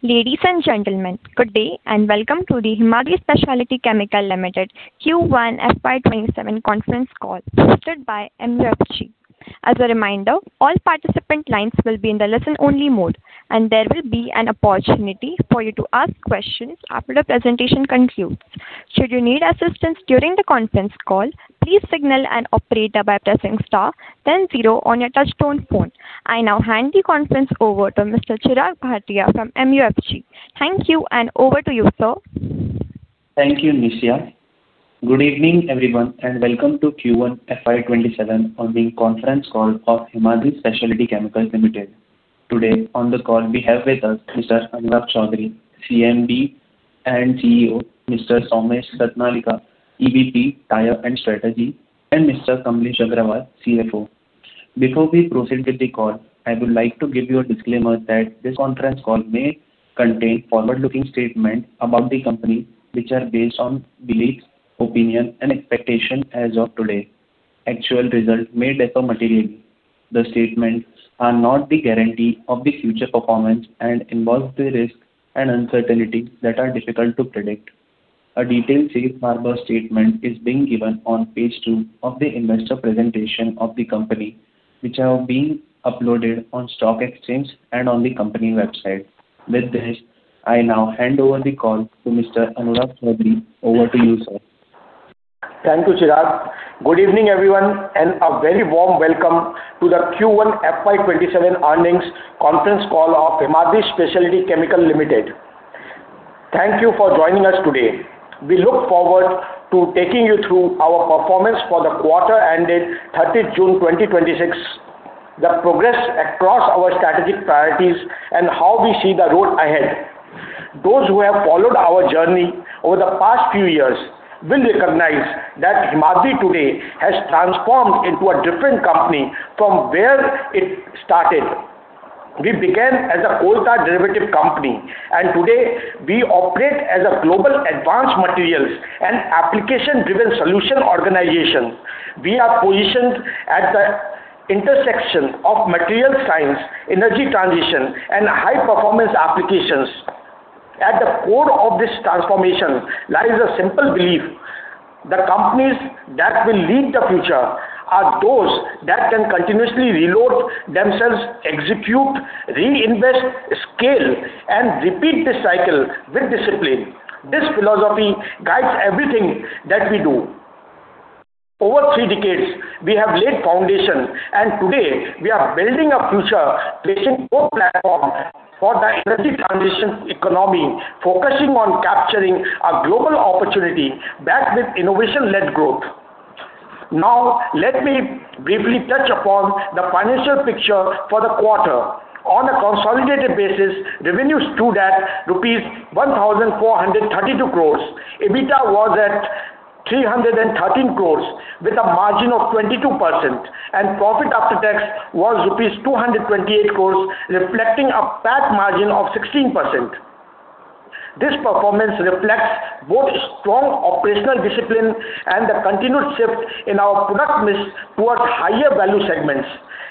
Ladies and gentlemen, good day and welcome to the Himadri Speciality Chemical Limited Q1 FY 2027 conference call hosted by MUFG. As a reminder, all participant lines will be in the listen only mode, and there will be an opportunity for you to ask questions after the presentation concludes. Should you need assistance during the conference call, please signal an operator by pressing star then zero on your touchtone phone. I now hand the conference over to Mr. Chirag Bhatia from MUFG. Thank you, and over to you, sir. Thank you, Nisha. Good evening, everyone, and welcome to Q1 FY 2027 earnings conference call of Himadri Speciality Chemical Limited. Today on the call we have with us Mr. Anurag Choudhary, CMD and CEO, Mr. Somesh Satnalika, EVP, CTD & Strategy, and Mr. Kamlesh Agarwal, CFO. Before we proceed with the call, I would like to give you a disclaimer that this conference call may contain forward-looking statements about the company, which are based on beliefs, opinion, and expectation as of today. Actual results may differ materially. The statements are not the guarantee of the future performance and involve the risks and uncertainty that are difficult to predict. A detailed safe harbor statement is being given on page two of the investor presentation of the company, which have been uploaded on stock exchange and on the company website. With this, I now hand over the call to Mr. Anurag Choudhary. Over to you, sir. Thank you, Chirag. Good evening, everyone, and a very warm welcome to the Q1 FY 2027 earnings conference call of Himadri Speciality Chemical Limited. Thank you for joining us today. We look forward to taking you through our performance for the quarter ended 30th June 2026, the progress across our strategic priorities, and how we see the road ahead. Those who have followed our journey over the past few years will recognize that Himadri today has transformed into a different company from where it started. We began as a coal tar derivative company, and today we operate as a global advanced materials and application-driven solution organization. We are positioned at the intersection of material science, energy transition, and high-performance applications. At the core of this transformation lies a simple belief, the companies that will lead the future are those that can continuously reload themselves, execute, reinvest, scale, and repeat this cycle with discipline. This philosophy guides everything that we do. Over three decades, we have laid foundation, and today we are building a future, placing core platform for the energy transition economy, focusing on capturing a global opportunity backed with innovation-led growth. Let me briefly touch upon the financial picture for the quarter. On a consolidated basis, revenues stood at rupees 1,432 crores. EBITDA was at 313 crores with a margin of 22%, and profit after tax was rupees 228 crores, reflecting a PAT margin of 16%. This performance reflects both strong operational discipline and the continued shift in our product mix towards higher value segments.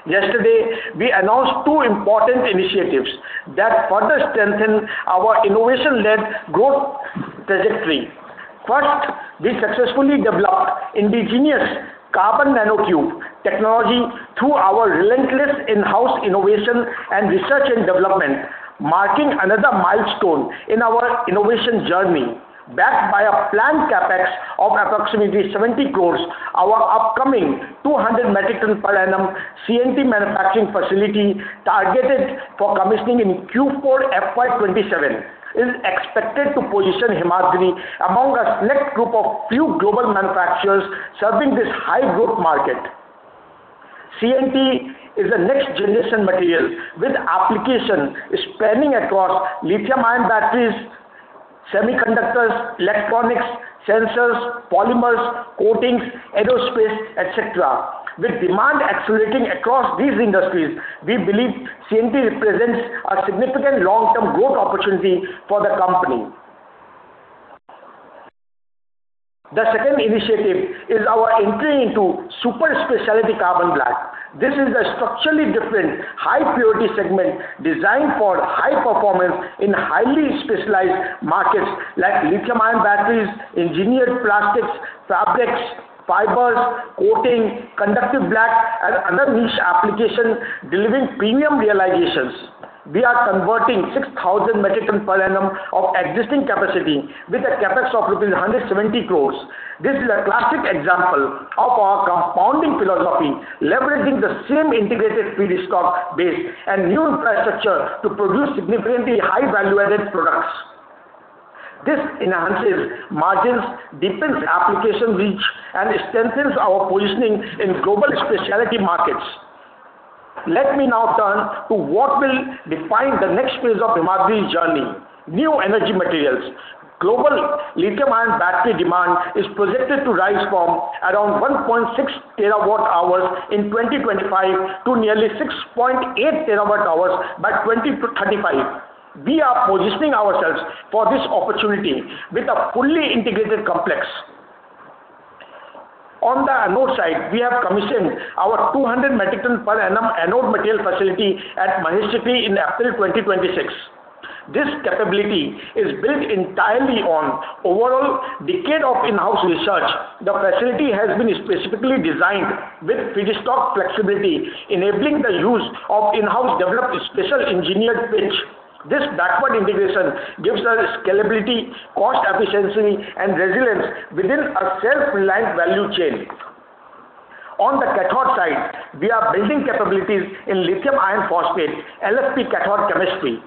Yesterday, we announced two important initiatives that further strengthen our innovation-led growth trajectory. First, we successfully developed indigenous Carbon Nanotube technology through our relentless in-house innovation and research and development, marking another milestone in our innovation journey. Backed by a planned CapEx of approximately 70 crores, our upcoming 200 metric ton per annum CNT manufacturing facility targeted for commissioning in Q4 FY 2027 is expected to position Himadri among a select group of few global manufacturers serving this high growth market. CNT is a next-generation material with application spanning across lithium-ion batteries, semiconductors, electronics, sensors, polymers, coatings, aerospace, et cetera. With demand accelerating across these industries, we believe CNT represents a significant long-term growth opportunity for the company. The second initiative is our entry into Super Speciality Carbon Black. This is a structurally different high purity segment designed for high performance in highly specialized markets like lithium-ion batteries, engineered plastics, fabrics, fibers, coating, conductive black, and other niche application, delivering premium realizations. We are converting 6,000 metric ton per annum of existing capacity with a CapEx of rupees 170 crores. This is a classic example of our compounding philosophy, leveraging the same integrated feedstock base and new infrastructure to produce significantly high value-added products. This enhances margins, deepens application reach, and strengthens our positioning in global specialty markets. Let me now turn to what will define the next phase of Himadri's journey, new energy materials. Global lithium-ion battery demand is projected to rise from around 1.6 TWh in 2025 to nearly 6.8 TWh by 2035. We are positioning ourselves for this opportunity with a fully integrated complex. On the anode side, we have commissioned our 200 metric ton per annum anode material facility at Mahistikry in April 2026. This capability is built entirely on overall decade of in-house research. The facility has been specifically designed with feedstock flexibility, enabling the use of in-house developed special engineered pitch. This backward integration gives us scalability, cost efficiency, and resilience within a self-reliant value chain. On the cathode side, we are building capabilities in lithium iron phosphate, LFP cathode chemistry,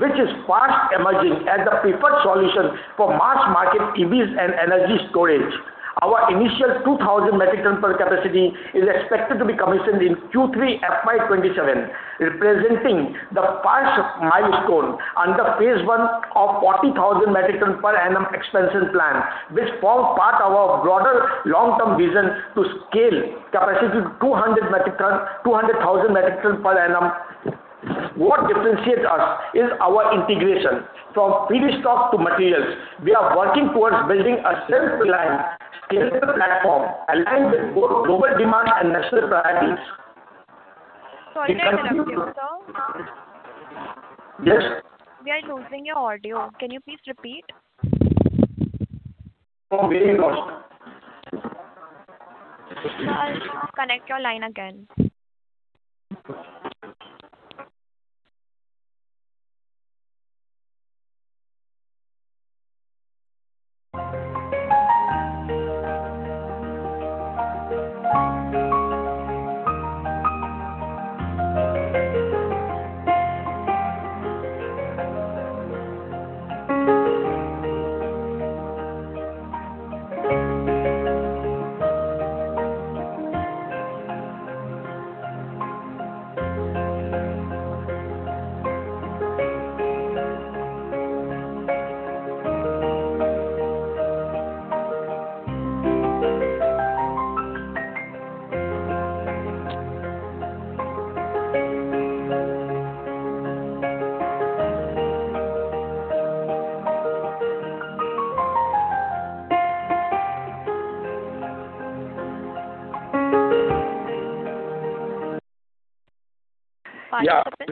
which is fast emerging as a preferred solution for mass market EVs and energy storage. Our initial 2,000 metric ton per capacity is expected to be commissioned in Q3 FY 2027, representing the first milestone under phase one of 40,000 metric ton per annum expansion plan, which form part our broader long-term vision to scale capacity to 200,000 metric ton per annum. What differentiates us is our integration from feedstock to materials. We are working towards building a self-reliant, scalable platform aligned with both global demand and national priorities. Sorry to interrupt you, sir. Yes. We are losing your audio. Can you please repeat? No, very loud. Sir, connect your line again.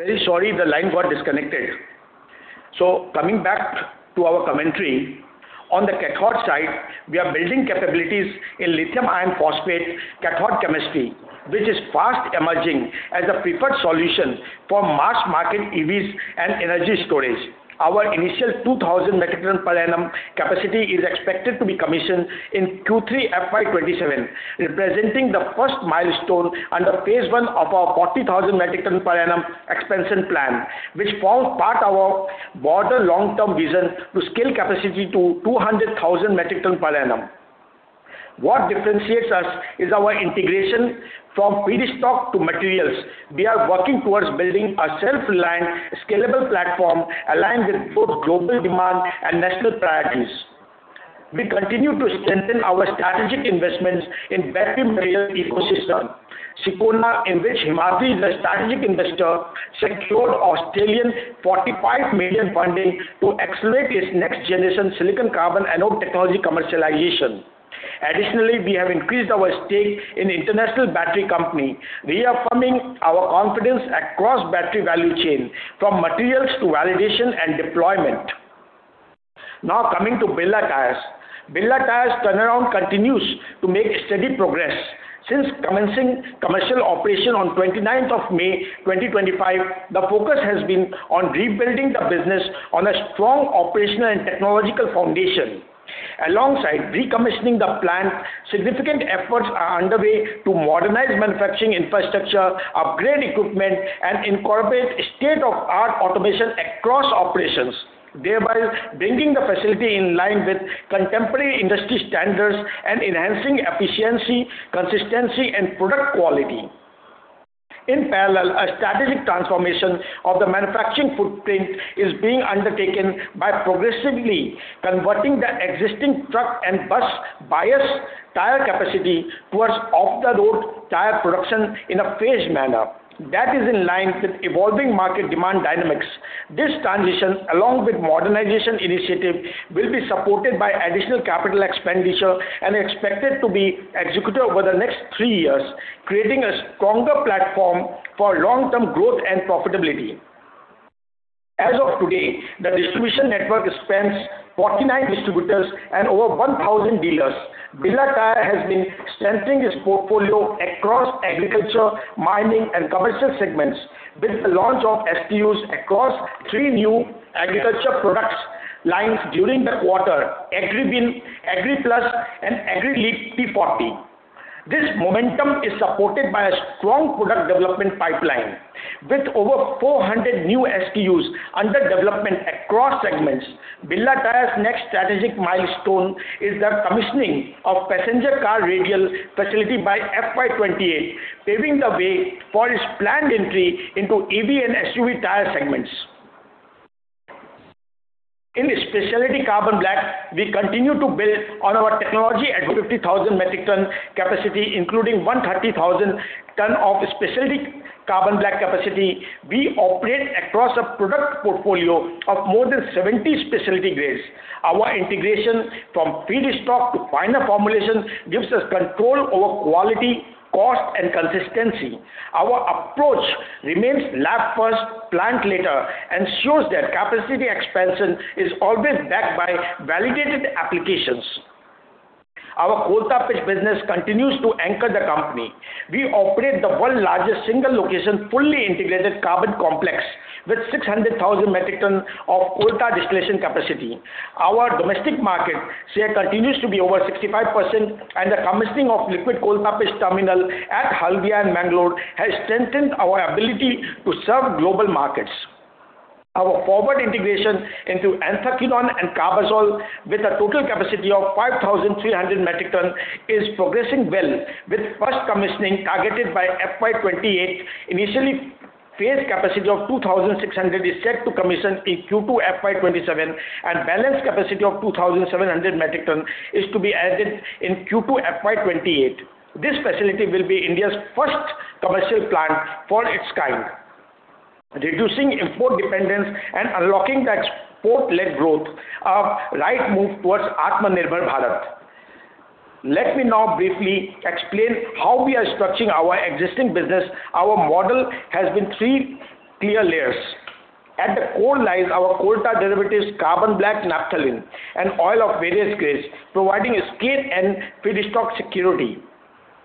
Very sorry, the lines were disconnected. Coming back to our commentary. On the cathode side, we are building capabilities in lithium iron phosphate cathode chemistry, which is fast emerging as a preferred solution for mass market EVs and energy storage. Our initial 2,000 metric ton per annum capacity is expected to be commissioned in Q3 FY 2027, representing the first milestone under phase 1 of our 40,000 metric ton per annum expansion plan, which forms part of our broader long-term vision to scale capacity to 200,000 metric ton per annum. What differentiates us is our integration from feedstock to materials. We are working towards building a self-reliant, scalable platform aligned with both global demand and national priorities. We continue to strengthen our strategic investments in battery material ecosystem. Sicona, in which Himadri is a strategic investor, secured 45 million funding to accelerate its next generation silicon-carbon anode technology commercialization. Additionally, we have increased our stake in International Battery Company, reaffirming our confidence across battery value chain, from materials to validation and deployment. Coming to Birla Tyres. Birla Tyres turnaround continues to make steady progress. Since commencing commercial operation on 29th of May 2025, the focus has been on rebuilding the business on a strong operational and technological foundation. Alongside recommissioning the plant, significant efforts are underway to modernize manufacturing infrastructure, upgrade equipment, and incorporate state-of-the-art automation across operations, thereby bringing the facility in line with contemporary industry standards and enhancing efficiency, consistency, and product quality. In parallel, a strategic transformation of the manufacturing footprint is being undertaken by progressively converting the existing truck and bus bias tire capacity towards off-the-road tire production in a phased manner that is in line with evolving market demand dynamics. This transition, along with modernization initiative, will be supported by additional capital expenditure and expected to be executed over the next three years, creating a stronger platform for long-term growth and profitability. As of today, the distribution network spans 49 distributors and over 1,000 dealers. Birla Tyres has been strengthening its portfolio across agriculture, mining, and commercial segments with the launch of SKUs across three new agriculture product lines during the quarter: Agri Bean, Agri Plus, and Agri Leap P40. This momentum is supported by a strong product development pipeline. With over 400 new SKUs under development across segments, Birla Tyres' next strategic milestone is the commissioning of passenger car radial facility by FY 2028, paving the way for its planned entry into EV and SUV tire segments. In Speciality Carbon Black, we continue to build on our technology at 50,000 metric ton capacity, including 130,000 metric ton of Speciality Carbon Black capacity. We operate across a product portfolio of more than 70 Speciality grades. Our integration from feedstock to final formulation gives us control over quality, cost, and consistency. Our approach remains lab first, plant later, ensures that capacity expansion is always backed by validated applications. Our Coal Tar Pitch business continues to anchor the company. We operate the world's largest single location, fully integrated carbon complex with 600,000 metric ton of Coal Tar distillation capacity. Our domestic market share continues to be over 65%. The commissioning of liquid Coal Tar Pitch terminal at Haldia and Mangalore has strengthened our ability to serve global markets. Our forward integration into Anthraquinone and Carbazole, with a total capacity of 5,300 metric ton, is progressing well with first commissioning targeted by FY 2028. Initially, phased capacity of 2,600 is set to commission in Q2 FY 2027. Balance capacity of 2,700 metric ton is to be added in Q2 FY 2028. This facility will be India's first commercial plant for its kind. Reducing import dependence and unlocking the export-led growth are right move towards Atmanirbhar Bharat. Let me now briefly explain how we are structuring our existing business. Our model has been three clear layers. At the core lies our coal tar derivatives, carbon black, Naphthalene, and oil of various grades, providing scale and feedstock security.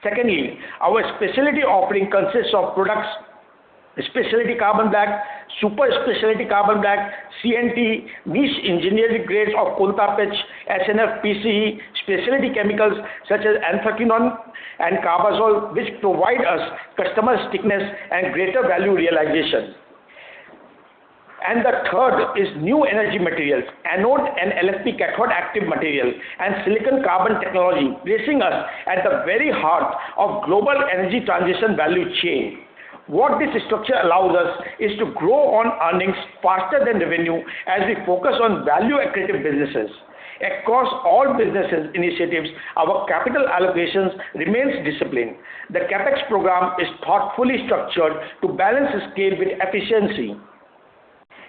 Secondly, our specialty offering consists of products, Speciality Carbon Black, Super Speciality Carbon Black, CNT, niche engineered grades of Coal Tar Pitch, SNF, PCE, specialty chemicals such as Anthraquinone and Carbazole, which provide us customer stickiness and greater value realization. The third is new energy materials, anode and LFP cathode active material and silicon-carbon technology, placing us at the very heart of global energy transition value chain. What this structure allows us is to grow on earnings faster than revenue as we focus on value accretive businesses. Across all business initiatives, our capital allocations remains disciplined. The CapEx program is thoughtfully structured to balance scale with efficiency.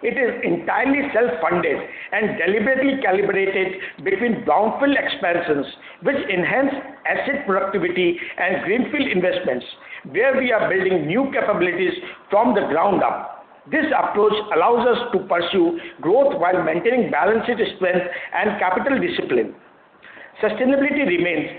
It is entirely self-funded and deliberately calibrated between brownfield expansions, which enhance asset productivity and greenfield investments, where we are building new capabilities from the ground up. This approach allows us to pursue growth while maintaining balanced strength and capital discipline. Sustainability remains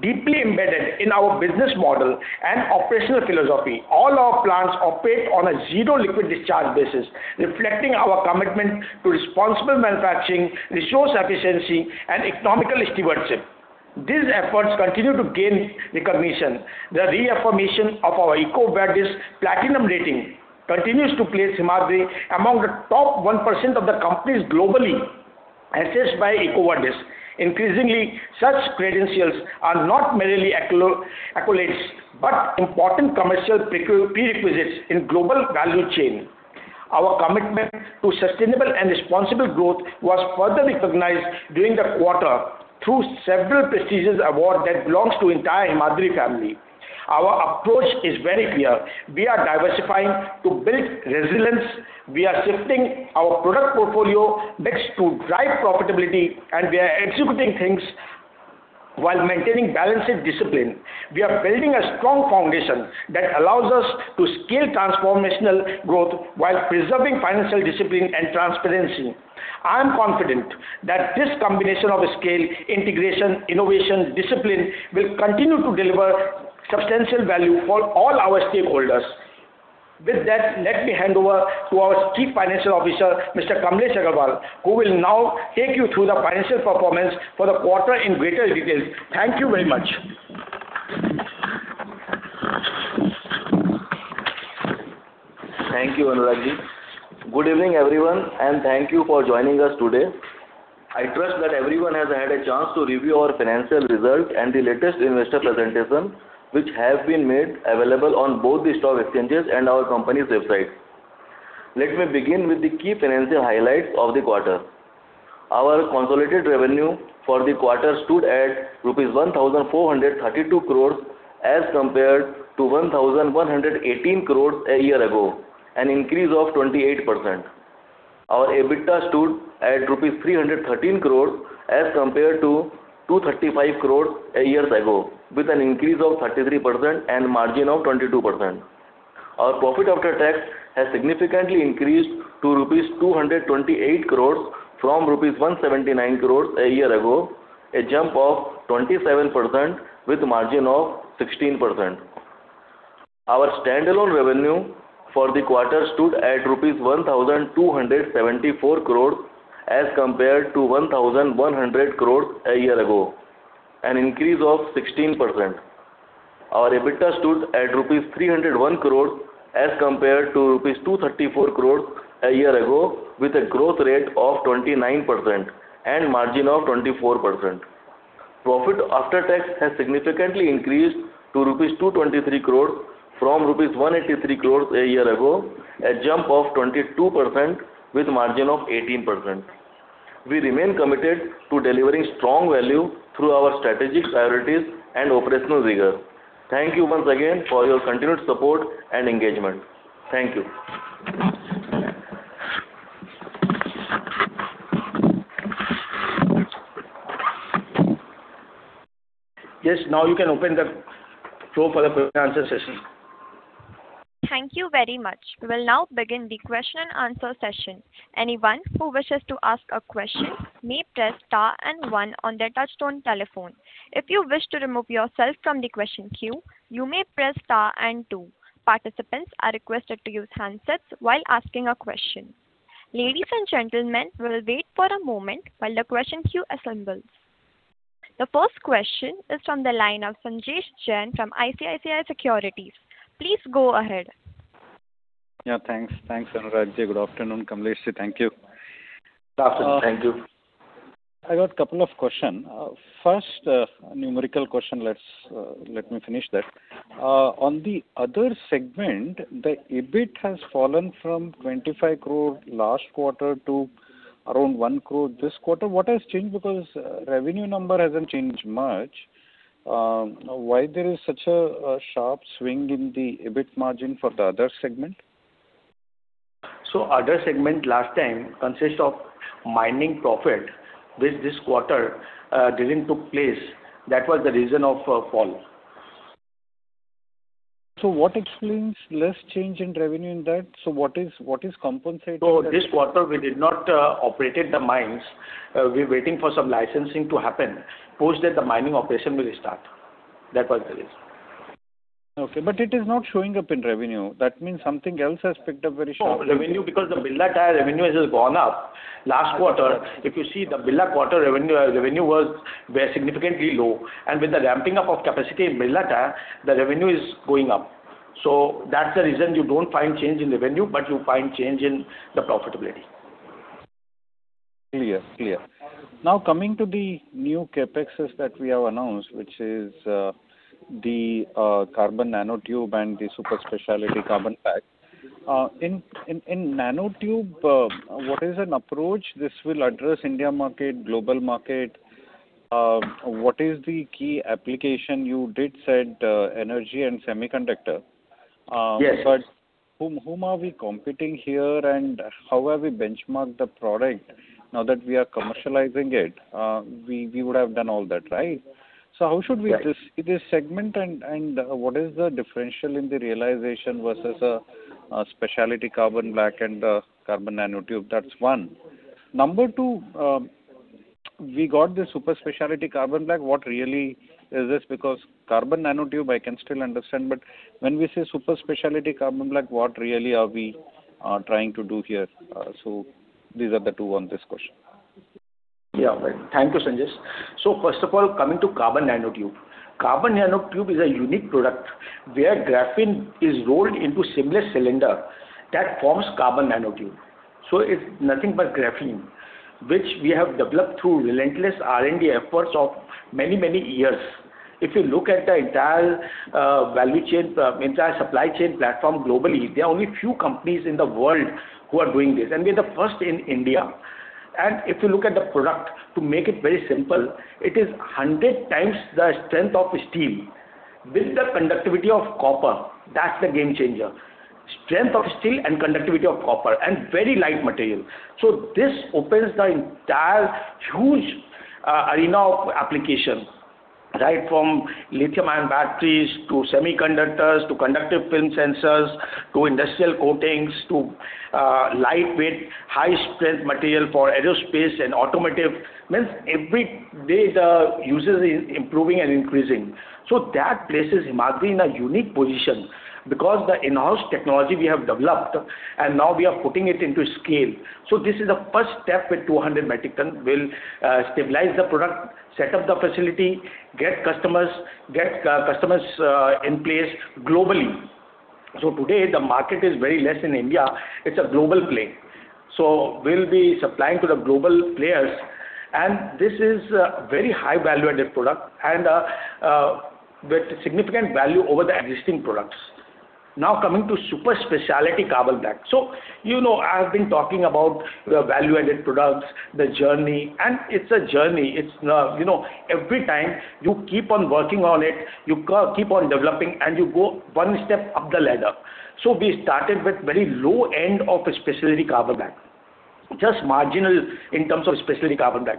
deeply embedded in our business model and operational philosophy. All our plants operate on a zero liquid discharge basis, reflecting our commitment to responsible manufacturing, resource efficiency, and economic stewardship. These efforts continue to gain recognition. The reaffirmation of our EcoVadis platinum rating continues to place Himadri among the top 1% of the companies globally assessed by EcoVadis. Increasingly, such credentials are not merely accolades, but important commercial prerequisites in global value chain. Our commitment to sustainable and responsible growth was further recognized during the quarter through several prestigious awards that belong to entire Himadri family. Our approach is very clear. We are diversifying to build resilience. We are shifting our product portfolio mix to drive profitability. We are executing things while maintaining balanced discipline. We are building a strong foundation that allows us to scale transformational growth while preserving financial discipline and transparency. I am confident that this combination of scale, integration, innovation, discipline will continue to deliver substantial value for all our stakeholders. With that, let me hand over to our Chief Financial Officer, Mr. Kamlesh Agarwal, who will now take you through the financial performance for the quarter in greater detail. Thank you very much. Thank you, Anurag. Good evening, everyone, and thank you for joining us today. I trust that everyone has had a chance to review our financial results and the latest investor presentation, which have been made available on both the stock exchanges and our company's website. Let me begin with the key financial highlights of the quarter. Our consolidated revenue for the quarter stood at rupees 1,432 crore as compared to 1,118 crore a year ago, an increase of 28%. Our EBITDA stood at rupees 313 crore as compared to 235 crore a year ago, with an increase of 33% and margin of 22%. Our profit after tax has significantly increased to rupees 228 crore from rupees 179 crore a year ago, a jump of 27% with margin of 16%. Our standalone revenue for the quarter stood at INR 1,274 crore as compared to 1,100 crore a year ago, an increase of 16%. Our EBITDA stood at rupees 301 crore as compared to rupees 234 crore a year ago, with a growth rate of 29% and margin of 24%. Profit after tax has significantly increased to rupees 223 crore from rupees 183 crore a year ago, a jump of 22% with margin of 18%. We remain committed to delivering strong value through our strategic priorities and operational rigor. Thank you once again for your continued support and engagement. Thank you. Yes, now you can open the floor for the question answer session. Thank you very much. We will now begin the question and answer session. Anyone who wishes to ask a question may press star and one on their touchtone telephone. If you wish to remove yourself from the question queue, you may press star and two. Participants are requested to use handsets while asking a question. Ladies and gentlemen, we will wait for a moment while the question queue assembles. The first question is from the line of Sanjesh Jain from ICICI Securities. Please go ahead. Thanks. Thanks, Anurag. Good afternoon, Kamlesh. Thank you. Good afternoon. Thank you. I got a couple of questions. First, a numerical question. Let me finish that. On the other segment, the EBIT has fallen from 25 crore last quarter to around 1 crore this quarter. What has changed? Revenue number hasn't changed much. Why there is such a sharp swing in the EBIT margin for the other segment? Other segment last time consists of mining profit, which this quarter didn't take place. That was the reason of fall. What explains less change in revenue in that? What is compensating that? This quarter, we did not operate the mines. We're waiting for some licensing to happen, post that the mining operation will restart. That was the reason. Okay, it is not showing up in revenue. That means something else has picked up very sharply. No, because the Birla Tyres revenue has just gone up. Last quarter, if you see the Birla Tyres quarter revenue, our revenue was significantly low, and with the ramping up of capacity in Birla Tyres, the revenue is going up. That's the reason you don't find change in revenue, but you find change in the profitability. Clear. coming to the new CapEx that we have announced, which is the Carbon Nanotube and the Super Speciality Carbon Black. In Carbon Nanotube, what is an approach this will address India market, global market? What is the key application? You did say energy and semiconductor. Yes. Whom are we competing here and how have we benchmarked the product now that we are commercializing it? We would have done all that, right? how should we- Right this segment and what is the differential in the realization versus a Speciality Carbon Black and a Carbon Nanotube? That's one. Number two, we got the Super Speciality Carbon Black. What really is this? Carbon Nanotube I can still understand, when we say Super Speciality Carbon Black, what really are we trying to do here? These are the two on this question. Yeah. Thank you, Sanjesh. First of all, coming to Carbon Nanotube. Carbon Nanotube is a unique product where graphene is rolled into seamless cylinder that forms Carbon Nanotube. It's nothing but graphene, which we have developed through relentless R&D efforts of many, many years. If you look at the entire value chain, entire supply chain platform globally, there are only few companies in the world who are doing this, and we are the first in India. If you look at the product, to make it very simple, it is 100 times the strength of steel with the conductivity of copper. That's the game changer. Strength of steel and conductivity of copper, very light material. This opens the entire huge arena of application, right from lithium-ion batteries to semiconductors, to conductive film sensors, to industrial coatings, to lightweight high strength material for aerospace and automotive. Every day the usage is improving and increasing. That places Himadri in a unique position because the in-house technology we have developed and now we are putting it into scale. This is the first step with 200 metric tons. We'll stabilize the product, set up the facility, get customers in place globally. Today the market is very less in India. It's a global play. We'll be supplying to the global players, and this is a very high value-added product and with significant value over the existing products. Now coming to Super Speciality Carbon Black. I have been talking about the value-added products, the journey, and it's a journey. Every time you keep on working on it, you keep on developing, and you go one step up the ladder. We started with very low end of Speciality Carbon Black, just marginal in terms of Speciality Carbon Black.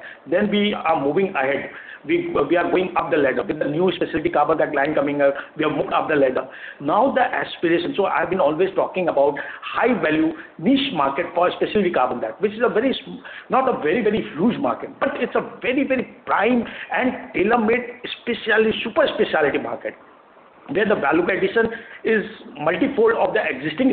We are moving ahead. We are going up the ladder. With the new Speciality Carbon Black line coming up, we have moved up the ladder. Now the aspiration. I've been always talking about high value niche market for Speciality Carbon Black, which is not a very, very huge market, but it's a very, very prime and tailor-made Super Speciality market, where the value addition is multifold of the existing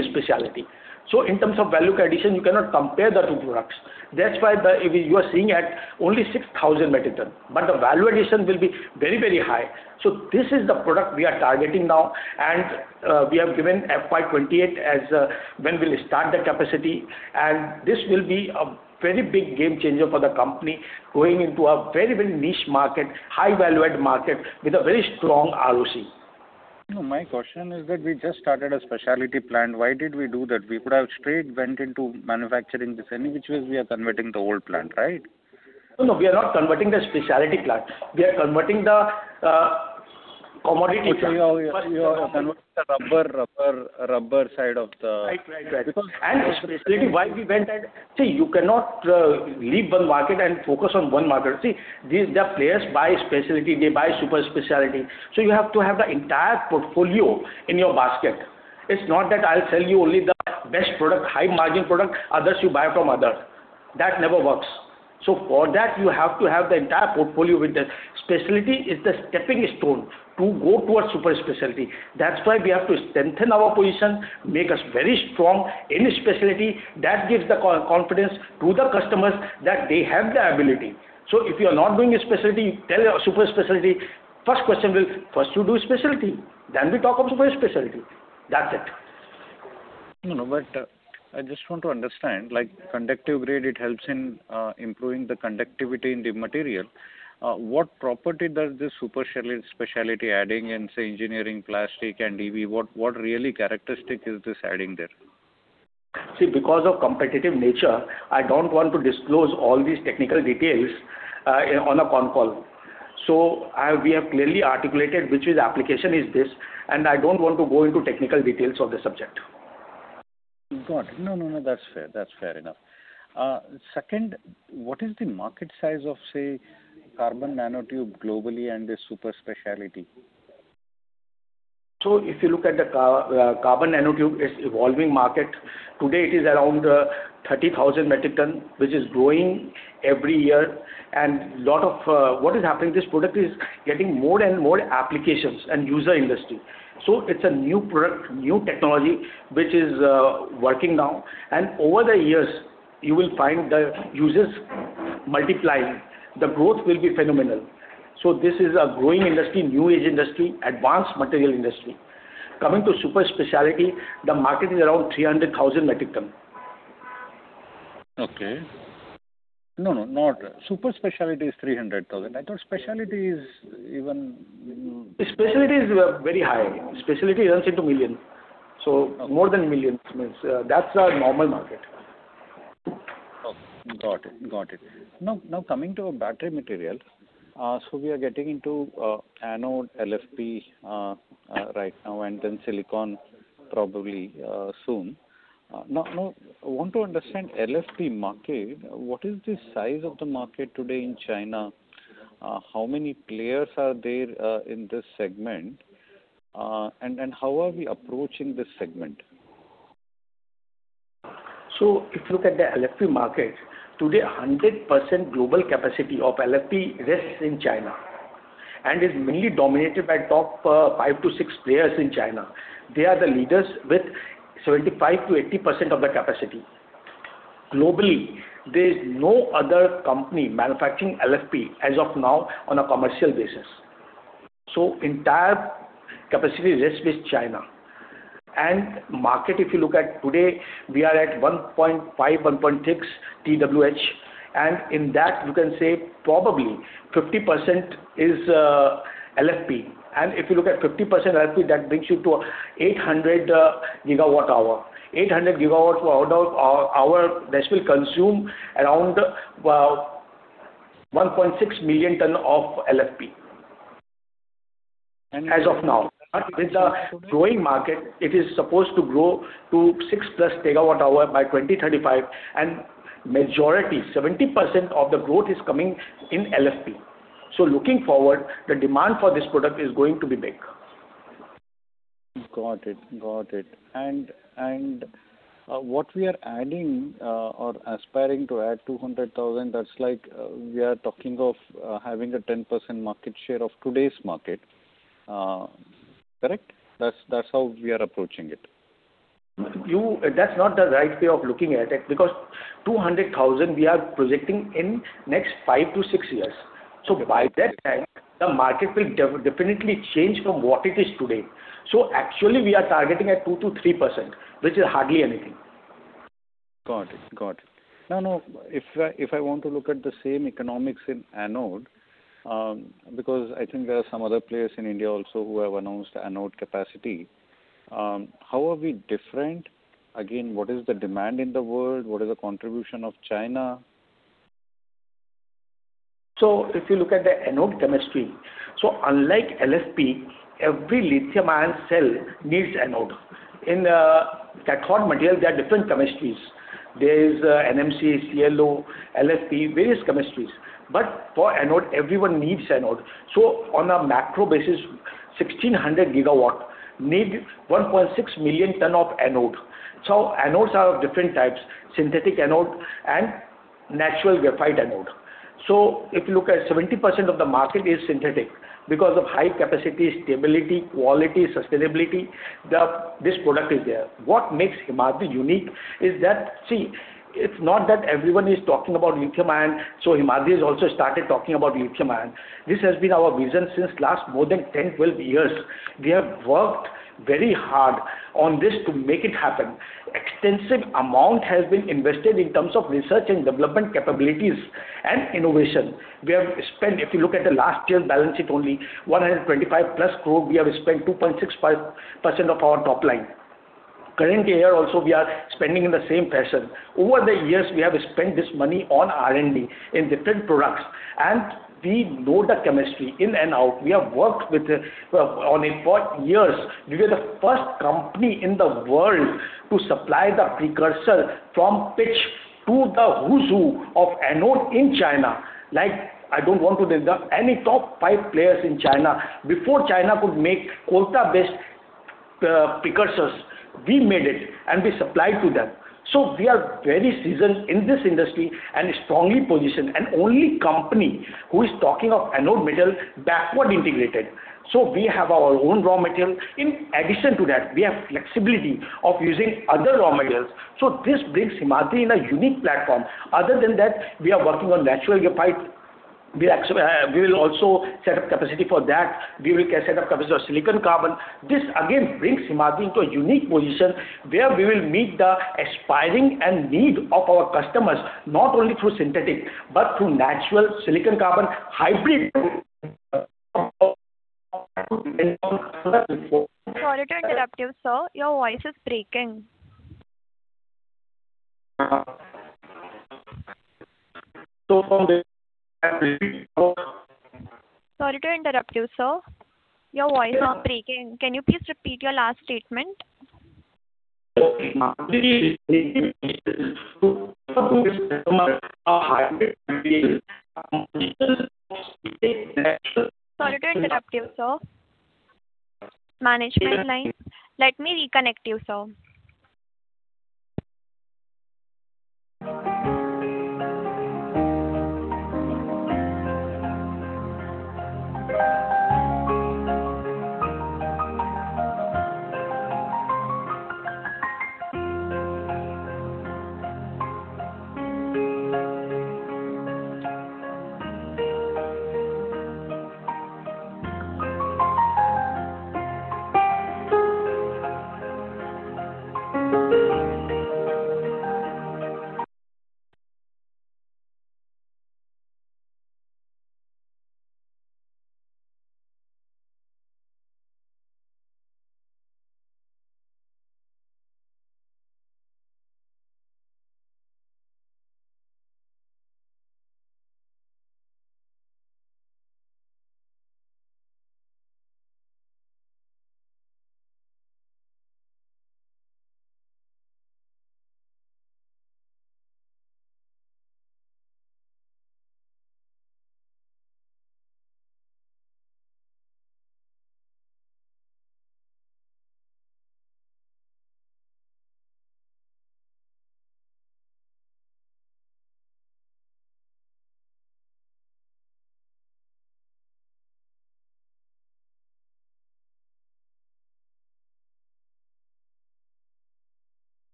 speciality. In terms of value addition, you cannot compare the two products. That's why you are seeing at only 6,000 metric tons, but the value addition will be very, very high. This is the product we are targeting now, and we have given FY 2028 as when we'll start the capacity, and this will be a very big game changer for the company going into a very, very niche market, high value-added market with a very strong ROC. My question is that we just started a Speciality plant. Why did we do that? We could have straight went into manufacturing this. Any which ways, we are converting the old plant, right? No, we are not converting the specialty plant. We are converting the commodity plant. Okay. You are converting the rubber side of the. Right. Because Specialty, why we went at. You cannot leave one market and focus on one market. The players buy specialty; they buy super specialty. You have to have the entire portfolio in your basket. It is not that I will sell you only the best product, high margin product. Others you buy from other. That never works. For that, you have to have the entire portfolio with the specialty is the stepping stone to go towards super specialty. That is why we have to strengthen our position, make us very strong in specialty. That gives the confidence to the customers that they have the ability. If you are not doing a specialty, tell a super specialty, first you do a specialty, then we talk of super specialty. That is it. I just want to understand, like conductive grade, it helps in improving the conductivity in the material. What property does this super specialty adding in, say, engineering plastic and EV, what really characteristic is this adding there? Because of competitive nature, I don't want to disclose all these technical details on a con call. We have clearly articulated which application is this, I don't want to go into technical details of the subject. Got it. That's fair enough. Second, what is the market size of, say, Carbon Nanotube globally and the Super Speciality? If you look at the Carbon Nanotube, it's evolving market. Today, it is around 30,000 metric tons, which is growing every year. What is happening, this product is getting more and more applications and user industry. It's a new product, new technology, which is working now. Over the years, you will find the users multiplying. The growth will be phenomenal. This is a growing industry, new age industry, advanced material industry. Coming to Super Speciality, the market is around 300,000 metric tons. Okay. Super Speciality is 300,000 metric tons. I thought Speciality is even. Speciality is very high. Speciality runs into 1 million. More than 1 million, that's our normal market. Got it. Coming to battery material. We are getting into anode LFP right now, then silicon probably soon. I want to understand LFP market, what is the size of the market today in China? How many players are there in this segment? How are we approaching this segment? If you look at the LFP market, today, 100% global capacity of LFP rests in China, is mainly dominated by top five to six players in China. They are the leaders with 75%-80% of the capacity. Globally, there's no other company manufacturing LFP as of now on a commercial basis. Entire capacity rests with China. Market, if you look at today, we are at 1.5, 1.6 TWh, in that, you can say probably 50% is LFP. If you look at 50% LFP, that brings you to 800 GWh. 800 GWh, that will consume around 1.6 million tons of LFP as of now. With the growing market, it is supposed to grow to 6+ TWh by 2035, majority, 70% of the growth is coming in LFP. Looking forward, the demand for this product is going to be big. Got it. What we are adding or aspiring to add 200,000, that's like we are talking of having a 10% market share of today's market. Correct? That's how we are approaching it. That's not the right way of looking at it because 200,000 we are projecting in next five to six years. By that time, the market will definitely change from what it is today. Actually, we are targeting at 2%-3%, which is hardly anything. Got it. Now, if I want to look at the same economics in anode, because I think there are some other players in India also who have announced anode capacity, how are we different? Again, what is the demand in the world? What is the contribution of China? If you look at the anode chemistry, unlike LFP, every lithium-ion cell needs anode. In cathode material, there are different chemistries. There is NMC, NCA, LFP, various chemistries. For anode, everyone needs anode. On a macro basis, 1,600 GW need 1.6 million ton of anode. Anodes are of different types, synthetic anode and natural graphite anode. If you look at 70% of the market is synthetic because of high capacity, stability, quality, sustainability, this product is there. What makes Himadri unique is that, see, it's not that everyone is talking about lithium-ion, Himadri has also started talking about lithium-ion. This has been our vision since last more than 10, 12 years. We have worked very hard on this to make it happen. Extensive amount has been invested in terms of research and development capabilities and innovation. We have spent, if you look at the last year's balance sheet, only 125 plus crore, we have spent 2.65% of our top line. Currently here also we are spending in the same fashion. Over the years, we have spent this money on R&D in different products, and we know the chemistry in and out. We have worked on it for years. We were the first company in the world to supply the precursor from pitch to the Huzhou of anode in China. I don't want to name any top five players in China. Before China could make coke-based precursors, we made it, and we supplied to them. We are very seasoned in this industry and strongly positioned, and only company who is talking of anode metal backward integrated. We have our own raw material. In addition to that, we have flexibility of using other raw materials. This brings Himadri in a unique platform. Other than that, we are working on natural graphite. We will also set up capacity for that. We will set up capacity for silicon-carbon. This again brings Himadri into a unique position where we will meet the aspiring and need of our customers, not only through synthetic but through natural silicon-carbon, hybrid Sorry to interrupt you, sir. Your voice is breaking. Can I repeat? Sorry to interrupt you, sir. Your voice is breaking. Can you please repeat your last statement? Sorry to interrupt you, sir. Management line. Let me reconnect you, sir.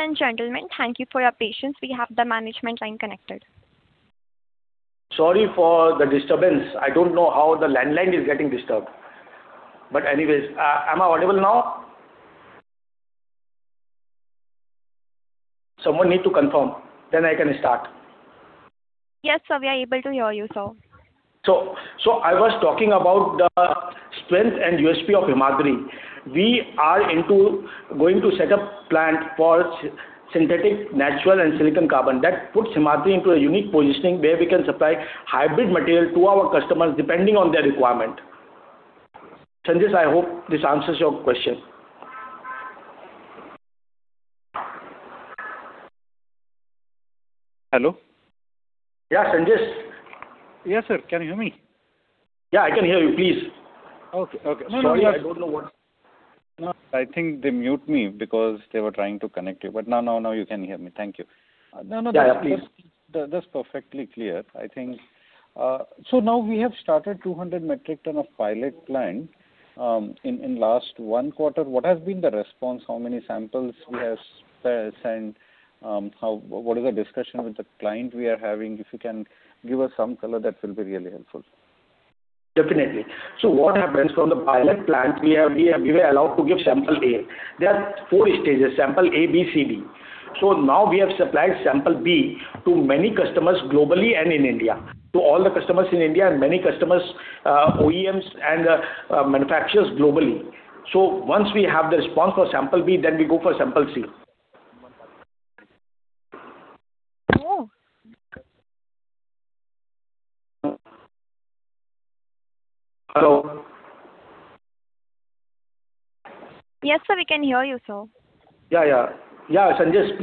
Ladies and gentlemen, thank you for your patience. We have the management line connected. Sorry for the disturbance. I don't know how the landline is getting disturbed. Anyways, am I audible now? Someone need to confirm, then I can start. Yes, sir. We are able to hear you, sir. I was talking about the strength and USP of Himadri. We are going to set up plant for synthetic, natural, and silicon-carbon. That puts Himadri into a unique positioning where we can supply hybrid material to our customers depending on their requirement. Sanjesh, I hope this answers your question. Hello? Yeah, Sanjesh? Yes, sir. Can you hear me? Yeah, I can hear you. Please. Okay. Sorry, I don't know what. No. I think they mute me because they were trying to connect you, but now you can hear me. Thank you. Yeah, please. That's perfectly clear, I think. Now we have started 200 metric ton of pilot plant, in last one quarter. What has been the response? How many samples we have sent? What is the discussion with the client we are having? If you can give us some color, that will be really helpful. Definitely. What happens from the pilot plant, we were allowed to give sample A. There are four stages, sample A, B, C, D. Now we have supplied sample B to many customers globally and in India. To all the customers in India and many customers, OEMs, and manufacturers globally. Once we have the response for sample B, then we go for sample C. Hello? Hello? Yes, sir. We can hear you, sir. Yeah. Sanjesh,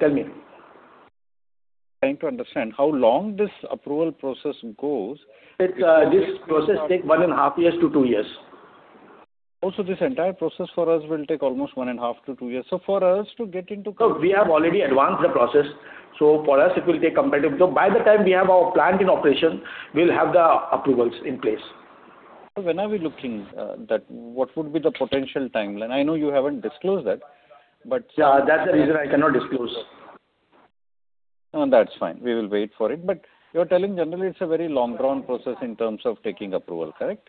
tell me. Trying to understand how long this approval process goes. This process take one and a half years to two years. This entire process for us will take almost one and a half to two years. No, we have already advanced the process. By the time we have our plant in operation, we'll have the approvals in place. When are we looking that what would be the potential timeline? I know you haven't disclosed that. That's the reason I cannot disclose. No, that's fine. We will wait for it. You're telling generally it's a very long drawn process in terms of taking approval, correct?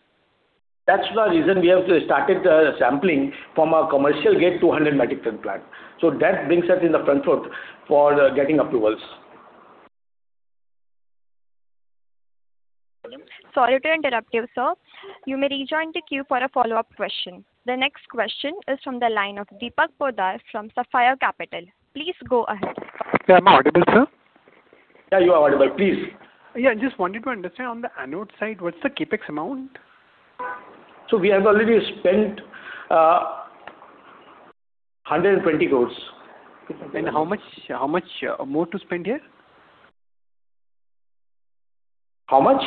That's the reason we have started the sampling from our commercial grade 200 metric ton plant. That brings us in the forefront for getting approvals. Sorry to interrupt you, sir. You may rejoin the queue for a follow-up question. The next question is from the line of Deepak Poddar from Sapphire Capital. Please go ahead. Am I audible, sir? Yeah, you are audible. Please. Yeah, just wanted to understand on the anode side, what is the CapEx amount? We have already spent 120 crores. How much more to spend here? How much?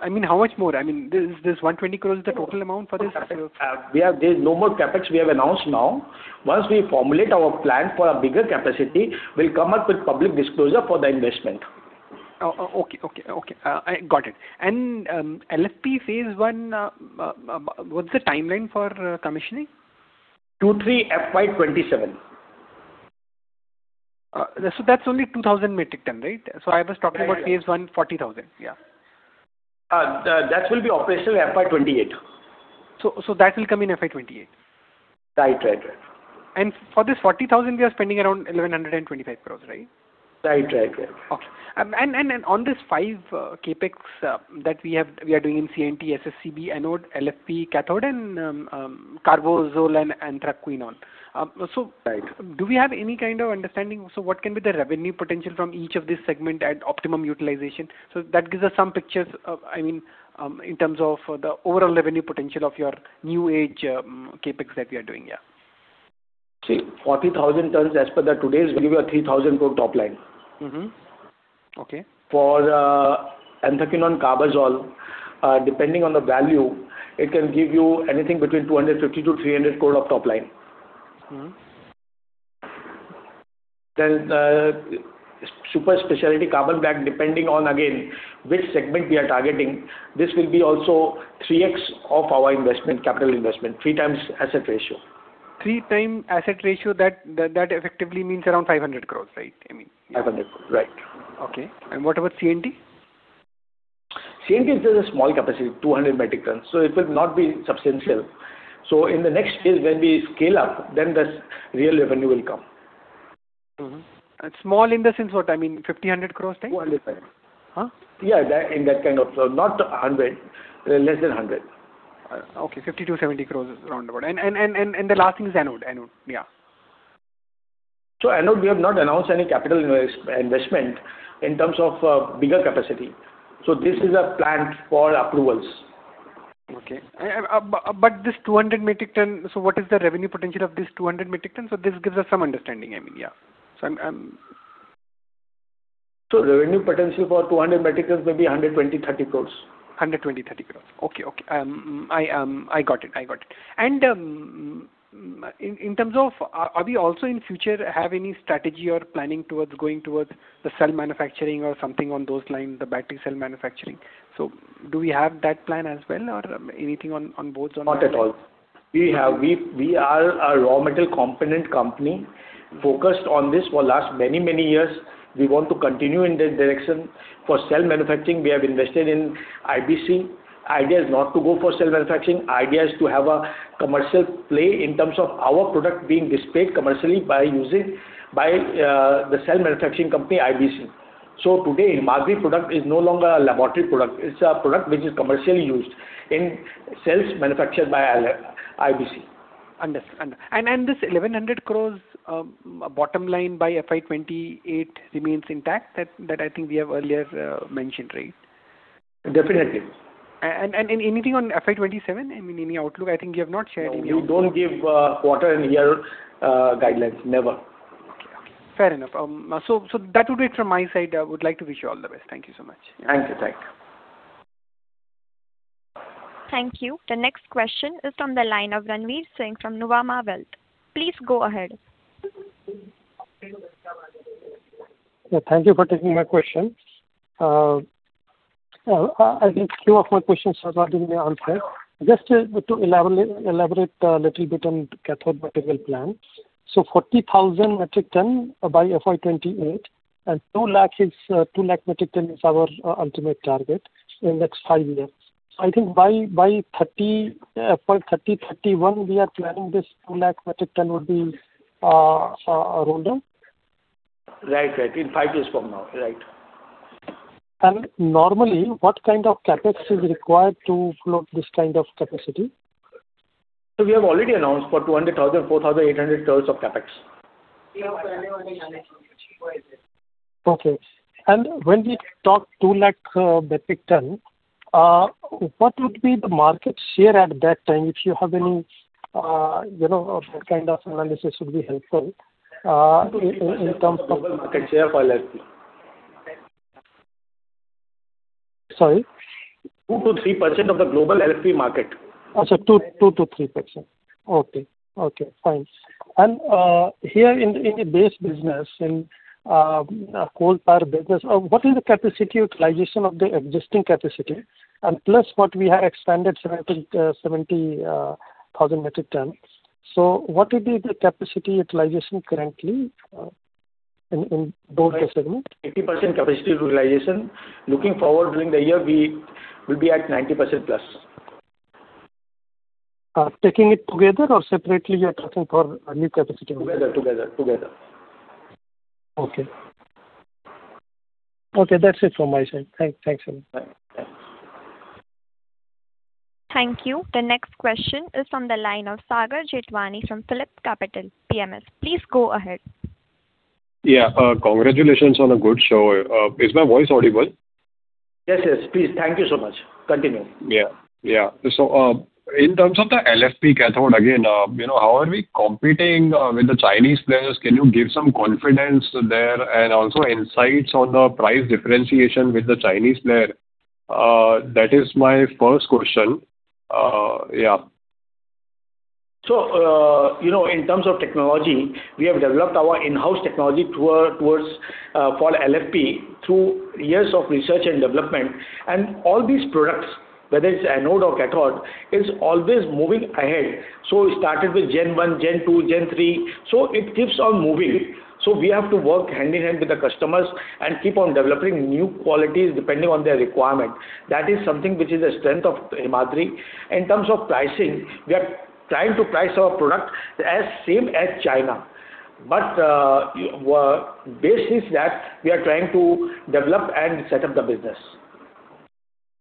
I mean, how much more? I mean, this 120 crores the total amount for this? There's no more CapEx we have announced now. Once we formulate our plan for a bigger capacity, we'll come up with public disclosure for the investment. Okay. Got it. LFP phase 1, what's the timeline for commissioning? Two, three, FY 2027. That's only 2,000 metric ton, right? I was talking about phase 1, 40,000. Yeah. That will be operational FY 2028. That will come in FY 2028? Right. For this 40,000, we are spending around 1,125 crore, right? Right. Okay. On this five CapEx that we are doing in CNT, SSCB, anode, LFP, cathode, and carbazole and anthraquinone. Right. Do we have any kind of understanding, what can be the revenue potential from each of this segment at optimum utilization? That gives us some pictures, I mean, in terms of the overall revenue potential of your new age CapEx that we are doing. Yeah. See, 40,000 tons as per today's give you a 3,000 crore top line. Mm-hmm. Okay. For anthraquinone carbazole, depending on the value, it can give you anything between 250 crore to 300 crore of top line. Super Speciality Carbon Black, depending on, again, which segment we are targeting, this will be also 3x of our capital investment. Three times asset ratio. Three time asset ratio, that effectively means around 500 crore, right? I mean. 500 crores, right. Okay. What about CNT? CNT is a small capacity, 200 metric ton, so it will not be substantial. In the next phase, when we scale up, then the real revenue will come. Mm-hmm. Small in the sense what? I mean, 50 crores, INR 100 crores type? 400, 500. Huh? Yeah, in that kind of. Not 100. Less than 100. Okay. 50-70 crores is around about. The last thing is anode. Yeah. Anode, we have not announced any capital investment in terms of bigger capacity. This is a plant for approvals. Okay. This 200 metric ton, what is the revenue potential of this 200 metric ton? This gives us some understanding, I mean. Revenue potential for 200 metric ton may be 120-30 crores. 120-30 crores. Okay. I got it. In terms of, are we also in future have any strategy or planning towards going towards the cell manufacturing or something on those lines, the battery cell manufacturing? Do we have that plan as well or anything on boards on that? Not at all. We are a raw material component company focused on this for last many years. We want to continue in that direction. For cell manufacturing, we have invested in IBC. Idea is not to go for cell manufacturing. Idea is to have a commercial play in terms of our product being displayed commercially by using the cell manufacturing company, IBC. Today, Himadri product is no longer a laboratory product. It's a product which is commercially used in cells manufactured by IBC. Understood. This 1,100 crores bottom line by FY 2028 remains intact, that I think we have earlier mentioned, right? Definitely. Anything on FY 2027? I mean, any outlook? I think you have not shared any outlook. No, we don't give quarter and year guidelines, never. Okay. Fair enough. That would be it from my side. I would like to wish you all the best. Thank you so much. Thank you. Thank you. The next question is from the line of Ranvir Singh from Nuvama Wealth. Please go ahead. Yeah, thank you for taking my question. I think few of my questions have already been answered. Just to elaborate a little bit on cathode material plan. So, 40,000 metric ton by FY 2028 and 2 lakh metric ton is our ultimate target in next five years. I think by FY 2030, 2031, we are planning this 2-lakh metric ton would be around? Right. In five years from now. Right. Normally, what kind of CapEx is required to float this kind of capacity? We have already announced for 200,000, 4,800 crores of CapEx. Okay. When we talk 2 lakh metric ton, what would be the market share at that time? If you have any kind of analysis would be helpful. Global market share for LFP. Sorry? 2% to 3% of the global LFP market. Okay, 2% to 3%. Okay, fine. Here in the base business, in Coal Tar Pitch business, what is the capacity utilization of the existing capacity and plus what we have expanded, I think 70,000 metric ton. What would be the capacity utilization currently in both the segment? 80% capacity utilization. Looking forward during the year, we will be at 90%+. Taking it together or separately you are talking for new capacity? Together. Okay. That's it from my side. Thanks a lot. Bye. Thank you. The next question is from the line of Sagar Jethwani from PhillipCapital PMS. Please go ahead. Yeah. Congratulations on a good show. Is my voice audible? Yes. Please. Thank you so much. Continue. In terms of the LFP cathode, again, how are we competing with the Chinese players? Can you give some confidence there, and also insights on the price differentiation with the Chinese player? That is my first question. In terms of technology, we have developed our in-house technology for LFP through years of research and development. All these products, whether it is anode or cathode, it is always moving ahead. We started with gen one, gen two, gen three. It keeps on moving. We have to work hand in hand with the customers and keep on developing new qualities depending on their requirement. That is something which is a strength of Himadri. In terms of pricing, we are trying to price our product as same as China. Base is that we are trying to develop and set up the business.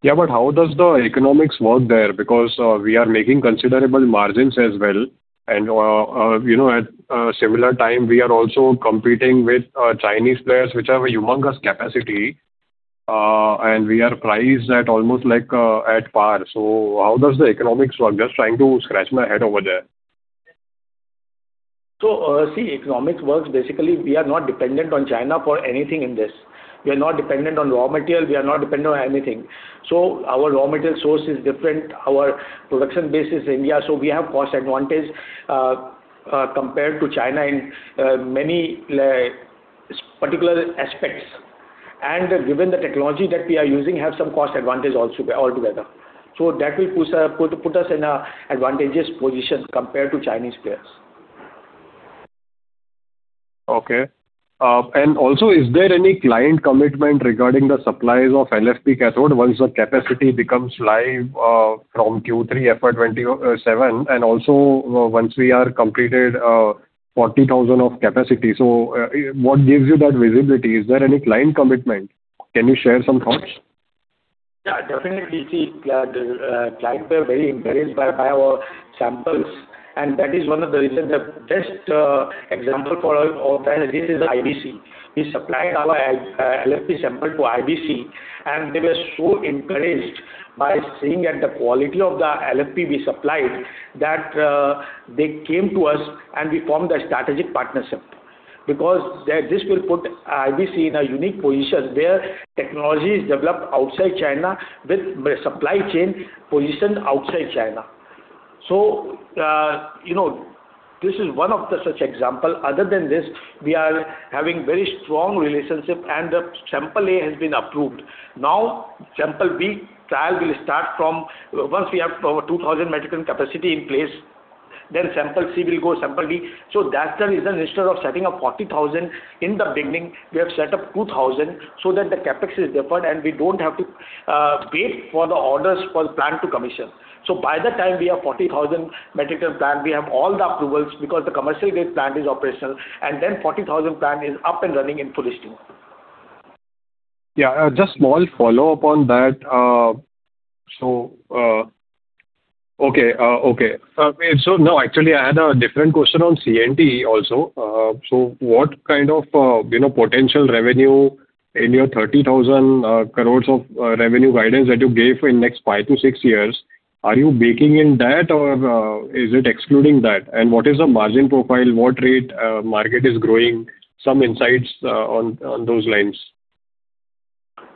How does the economics work there? Because we are making considerable margins as well, and at similar time, we are also competing with Chinese players which have a humongous capacity, and we are priced at almost like at par. How does the economics work? Just trying to scratch my head over there. See, economics works, basically, we are not dependent on China for anything in this. We are not dependent on raw material. We are not dependent on anything. Our raw material source is different. Our production base is India, so we have cost advantage, compared to China in many particular aspects. Given the technology that we are using, have some cost advantage altogether. That will put us in an advantageous position compared to Chinese players. Is there any client commitment regarding the supplies of LFP cathode once the capacity becomes live from Q3 FY 2027, and also once we are completed 40,000 of capacity? What gives you that visibility? Is there any client commitment? Can you share some thoughts? Yeah, definitely. Clients were very encouraged by our samples, and that is one of the reasons. The best example for all of that is the IBC. We supplied our LFP sample to IBC, and they were so encouraged by seeing that the quality of the LFP we supplied, that they came to us and we formed a strategic partnership, because this will put IBC in a unique position where technology is developed outside China with supply chain positioned outside China. This is one of the such example. Other than this, we are having very strong relationship and the sample A has been approved. Now, sample B trial will start from once we have our 2,000 metric ton capacity in place, then sample C will go, sample D. That's the reason instead of setting up 40,000 in the beginning, we have set up 2,000 so that the CapEx is different and we don't have to wait for the orders for plant to commission. By the time we have 40,000 metric ton plant, we have all the approvals because the commercial grade plant is operational, and then 40,000 plant is up and running in full steam. Yeah. Just small follow-up on that. Okay. Now, actually, I had a different question on CNT also. What kind of potential revenue in your 30,000 crore of revenue guidance that you gave in next five to six years, are you baking in that or is it excluding that? What is the margin profile? What rate market is growing? Some insights on those lines.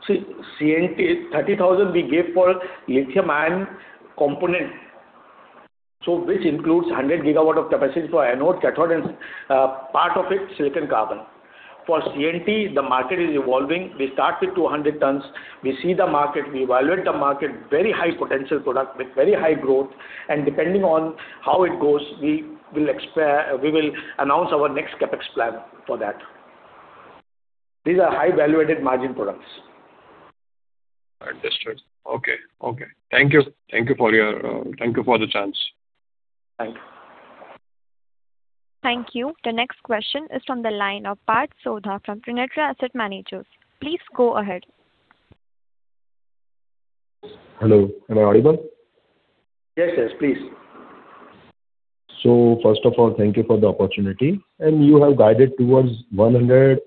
CNT 30,000 we gave for lithium-ion component. Which includes 100 GW of capacity for anode, cathode, and part of it, silicon-carbon. CNT, the market is evolving. We start with 200 tons. We see the market, we evaluate the market, very high potential product with very high growth, and depending on how it goes, we will announce our next CapEx plan for that. These are high-valuated margin products. Understood. Okay. Thank you for the chance. Thanks. Thank you. The next question is from the line of Parth Sodha from Trinetra Asset Managers. Please go ahead. Hello, am I audible? Yes. Please. First of all, thank you for the opportunity. You have guided towards 1,100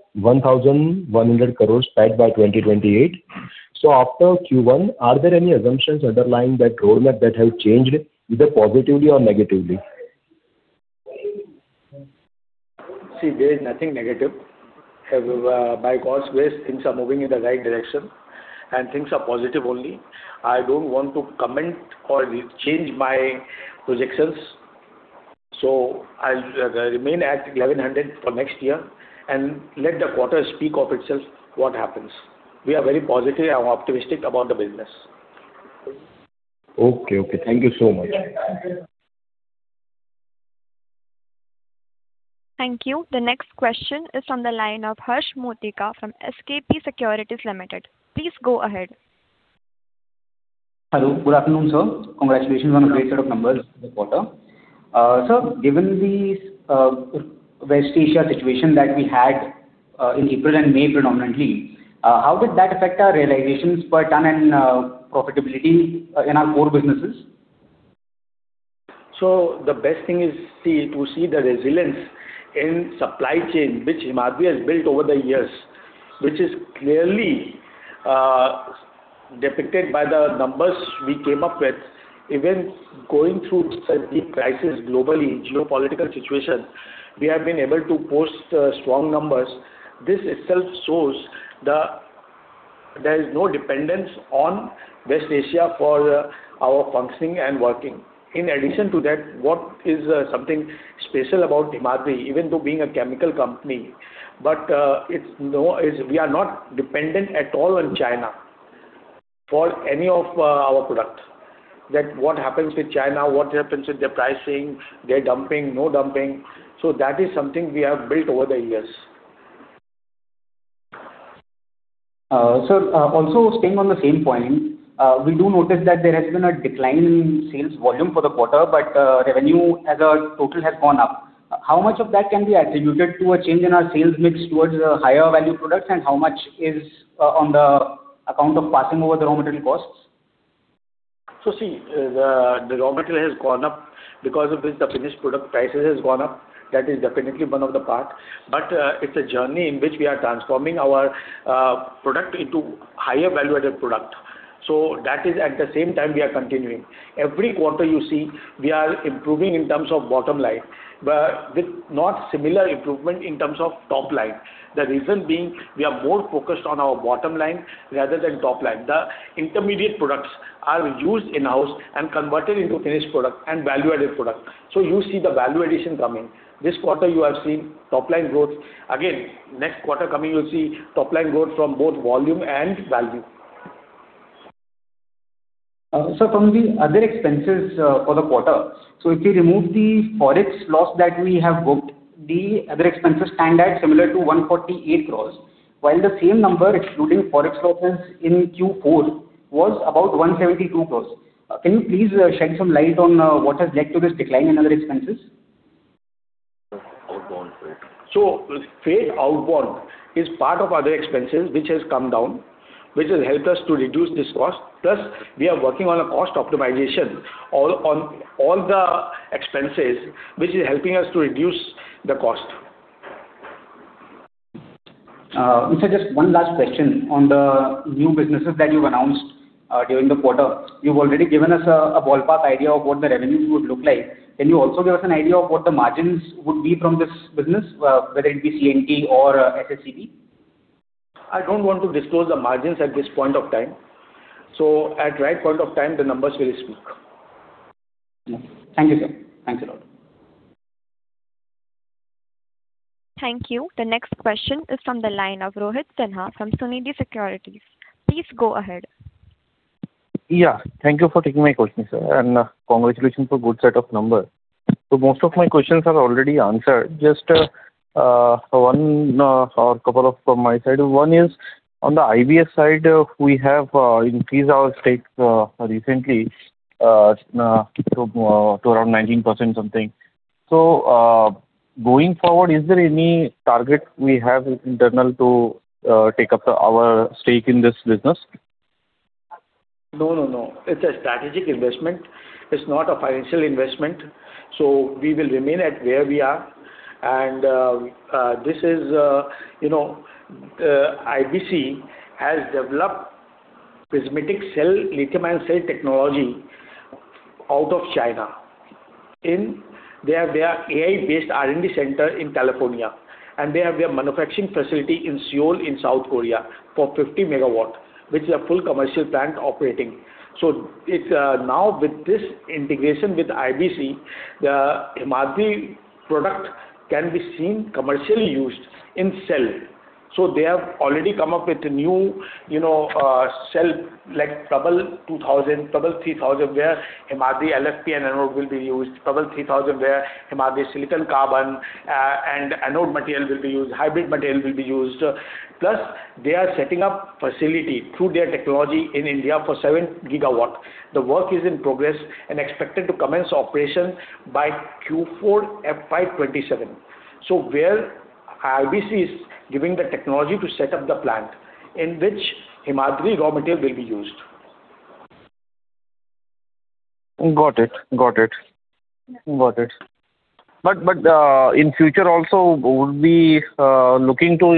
crore PAT by 2028. After Q1, are there any assumptions underlying that roadmap that have changed, either positively or negatively? See, there is nothing negative. By God's grace, things are moving in the right direction. Things are positive only. I don't want to comment or change my projections. I'll remain at 1,100 for next year. Let the quarter speak of itself what happens. We are very positive and optimistic about the business. Okay. Thank you so much. Thank you. The next question is on the line of Harsh Motika from SKP Securities Limited. Please go ahead. Hello. Good afternoon, sir. Congratulations on a great set of numbers for the quarter. Sir, given the West Asia situation that we had in April and May predominantly, how did that affect our realizations per ton and profitability in our core businesses? The best thing is to see the resilience in supply chain, which Himadri has built over the years, which is clearly depicted by the numbers we came up with. Even going through such deep crisis globally, geopolitical situation, we have been able to post strong numbers. This itself shows there is no dependence on West Asia for our functioning and working. In addition to that, what is something special about Himadri, even though being a chemical company, but we are not dependent at all on China for any of our product. That what happens with China, what happens with their pricing, their dumping, no dumping. That is something we have built over the years. Sir, staying on the same point, we do notice that there has been a decline in sales volume for the quarter, but revenue as a total has gone up. How much of that can be attributed to a change in our sales mix towards higher value products, and how much is on the account of passing over the raw material costs? See, the raw material has gone up because of this, the finished product prices has gone up. That is definitely one of the part. It's a journey in which we are transforming our product into higher value-added product. That is at the same time we are continuing. Every quarter you see, we are improving in terms of bottom line, but with not similar improvement in terms of top line. The reason being, we are more focused on our bottom line rather than top line. The intermediate products are used in-house and converted into finished product and value-added product. You see the value addition coming. This quarter you have seen top line growth. Again, next quarter coming, you'll see top line growth from both volume and value. Sir, from the other expenses for the quarter, if we remove the Forex loss that we have booked, the other expenses stand at similar to 148 crores, while the same number excluding Forex losses in Q4 was about 172 crores. Can you please shed some light on what has led to this decline in other expenses? Freight outbound is part of other expenses, which has come down, which has helped us to reduce this cost. Plus, we are working on a cost optimization on all the expenses, which is helping us to reduce the cost. Sir, just one last question on the new businesses that you've announced during the quarter. You've already given us a ballpark idea of what the revenues would look like. Can you also give us an idea of what the margins would be from this business, whether it be CNT or SSCB? I don't want to disclose the margins at this point of time. At right point of time, the numbers will speak. Thank you, sir. Thanks a lot. Thank you. The next question is from the line of Rohit Sinha from Sunidhi Securities. Please go ahead. Yeah. Thank you for taking my question, sir, and congratulations for good set of numbers. Most of my questions are already answered. Just one or couple of from my side. One is on the IBS side, we have increased our stake recently to around 19%. Going forward, is there any target we have internal to take up our stake in this business? No. It's a strategic investment. It's not a financial investment. We will remain at where we are. IBC has developed prismatic lithium-ion cell technology out of China in their AI-based R&D center in California, and they have their manufacturing facility in Seoul in South Korea for 50 MW, which is a full commercial plant operating. Now with this integration with IBC, the Himadri product can be seen commercially used in cell. They have already come up with a new cell like double 2,000, double 3,000, where Himadri LFP and anode will be used. Double 3,000, where Himadri silicon-carbon and anode material will be used, hybrid material will be used. They are setting up facility through their technology in India for 7 GW. The work is in progress and expected to commence operation by Q4 FY 2027. Where IBC is giving the technology to set up the plant in which Himadri raw material will be used. Got it. In future also, would we be looking to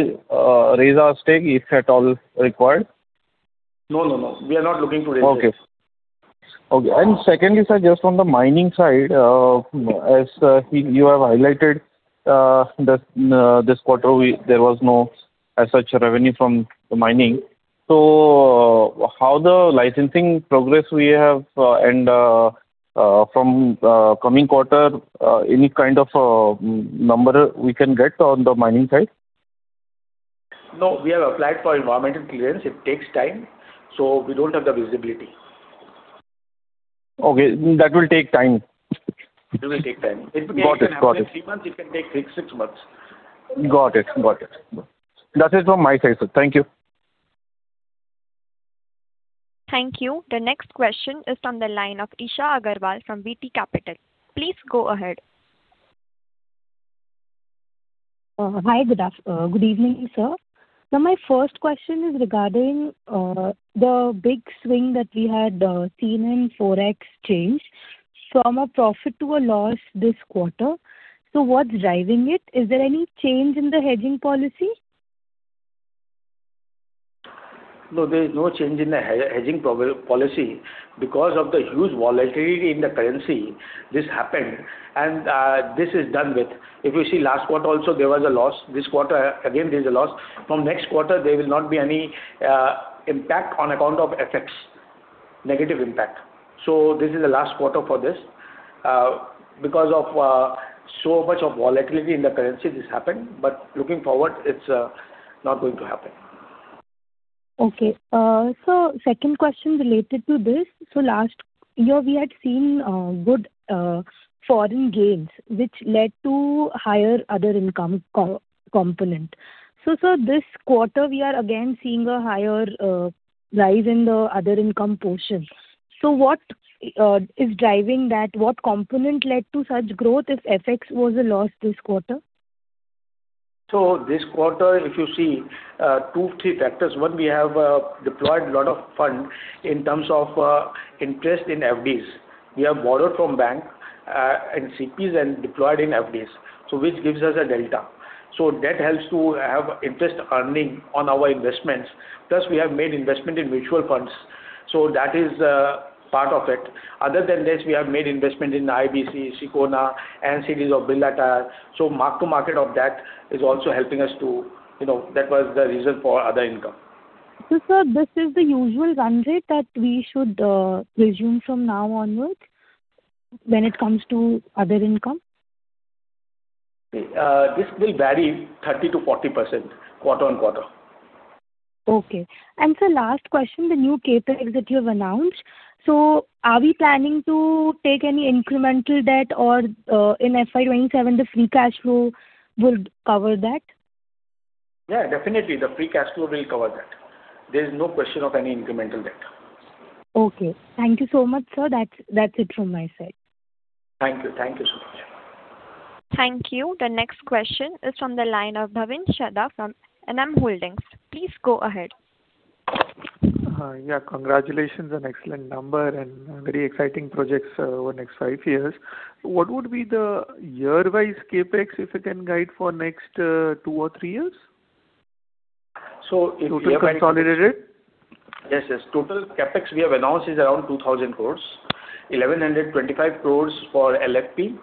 raise our stake if at all required? No, we are not looking to raise stakes. Okay. Secondly, sir, just from the mining side, as you have highlighted, this quarter, there was no as such revenue from the mining. How the licensing progress we have and, from coming quarter, any kind of number we can get on the mining side? No, we have applied for environmental clearance. It takes time, so we don't have the visibility. Okay. That will take time. It will take time. Got it. It can take three months, it can take six months. Got it. That is from my side, sir. Thank you. Thank you. The next question is from the line of Isha Agarwal from VT Capital. Please go ahead. Hi. Good evening, sir. My first question is regarding the big swing that we had seen in forex change from a profit to a loss this quarter. What's driving it? Is there any change in the hedging policy? There is no change in the hedging policy. Because of the huge volatility in the currency, this happened, and this is done with. If you see last quarter also, there was a loss. This quarter, again, there's a loss. From next quarter, there will not be any impact on account of FX, negative impact. This is the last quarter for this. Because of so much of volatility in the currency, this happened, looking forward, it's not going to happen. Sir, second question related to this. Last year we had seen good foreign gains, which led to higher other income component. Sir, this quarter, we are again seeing a higher rise in the other income portion. What is driving that? What component led to such growth if FX was a loss this quarter? This quarter, if you see, two, three factors. One, we have deployed a lot of funds in terms of interest in FDs. We have borrowed from bank and CPs and deployed in FDs, which gives us a delta. That helps to have interest earning on our investments. Plus, we have made investment in IBC, Sicona, NCDs of Birla Tyres. Mark to market of that is also helping us to. That was the reason for other income. Sir, this is the usual run rate that we should presume from now onwards when it comes to other income? This will vary 30%-40% quarter-on-quarter. Okay. Sir, last question, the new CapEx that you have announced. Are we planning to take any incremental debt or in FY 2027, the free cash flow will cover that? Yeah, definitely, the free cash flow will cover that. There is no question of any incremental debt. Okay. Thank you so much, sir. That's it from my side. Thank you so much. Thank you. The next question is from the line of Bhavin Shah from NM Holdings. Please go ahead. Hi. Yeah. Congratulations on excellent number and very exciting projects over the next five years. What would be the year-wise CapEx, if you can guide for next two or three years? So if we are- Total consolidated. Yes. Total CapEx we have announced is around 2,000 crores. 1,125 crores for LFP.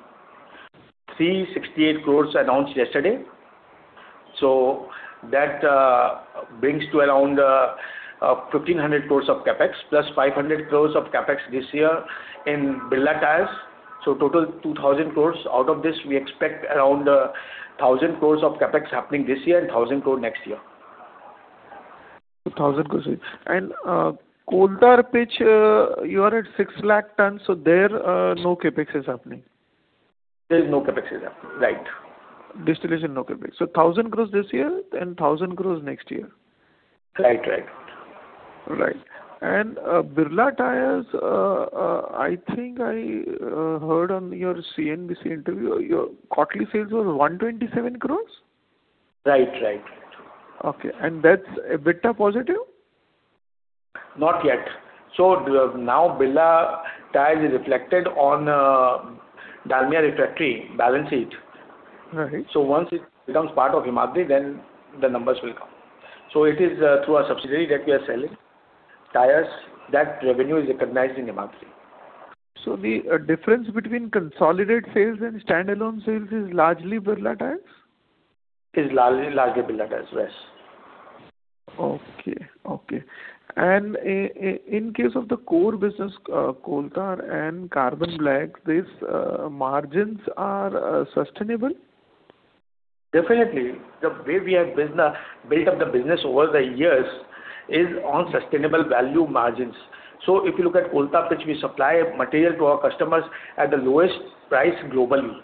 368 crores announced yesterday. That brings to around 1,500 crores of CapEx plus 500 crores of CapEx this year in Birla Tyres. Total 2,000 crores. Out of this, we expect around 1,000 crores of CapEx happening this year and 1,000 crore next year. INR 2,000 crores. Coal Tar Pitch, you are at 600,000 tons, there no CapEx is happening? There is no CapEx is happening. Right. Distillation, no CapEx. 1,000 crores this year and 1,000 crores next year. Right. Right. Birla Tyres, I think I heard on your CNBC interview, your quarterly sales was 127 crores? Right. Okay. That's EBITDA positive? Not yet. Now Birla Tyres is reflected on Dalmia Refractory balance sheet. Right. Once it becomes part of Himadri, then the numbers will come. It is through our subsidiary that we are selling tires. That revenue is recognized in Himadri. The difference between consolidated sales and standalone sales is largely Birla Tyres? Is largely Birla Tyres, yes. Okay. In case of the core business, coal tar and carbon black, these margins are sustainable? Definitely. The way we have built up the business over the years is on sustainable value margins. If you look at Coal Tar Pitch, we supply material to our customers at the lowest price globally.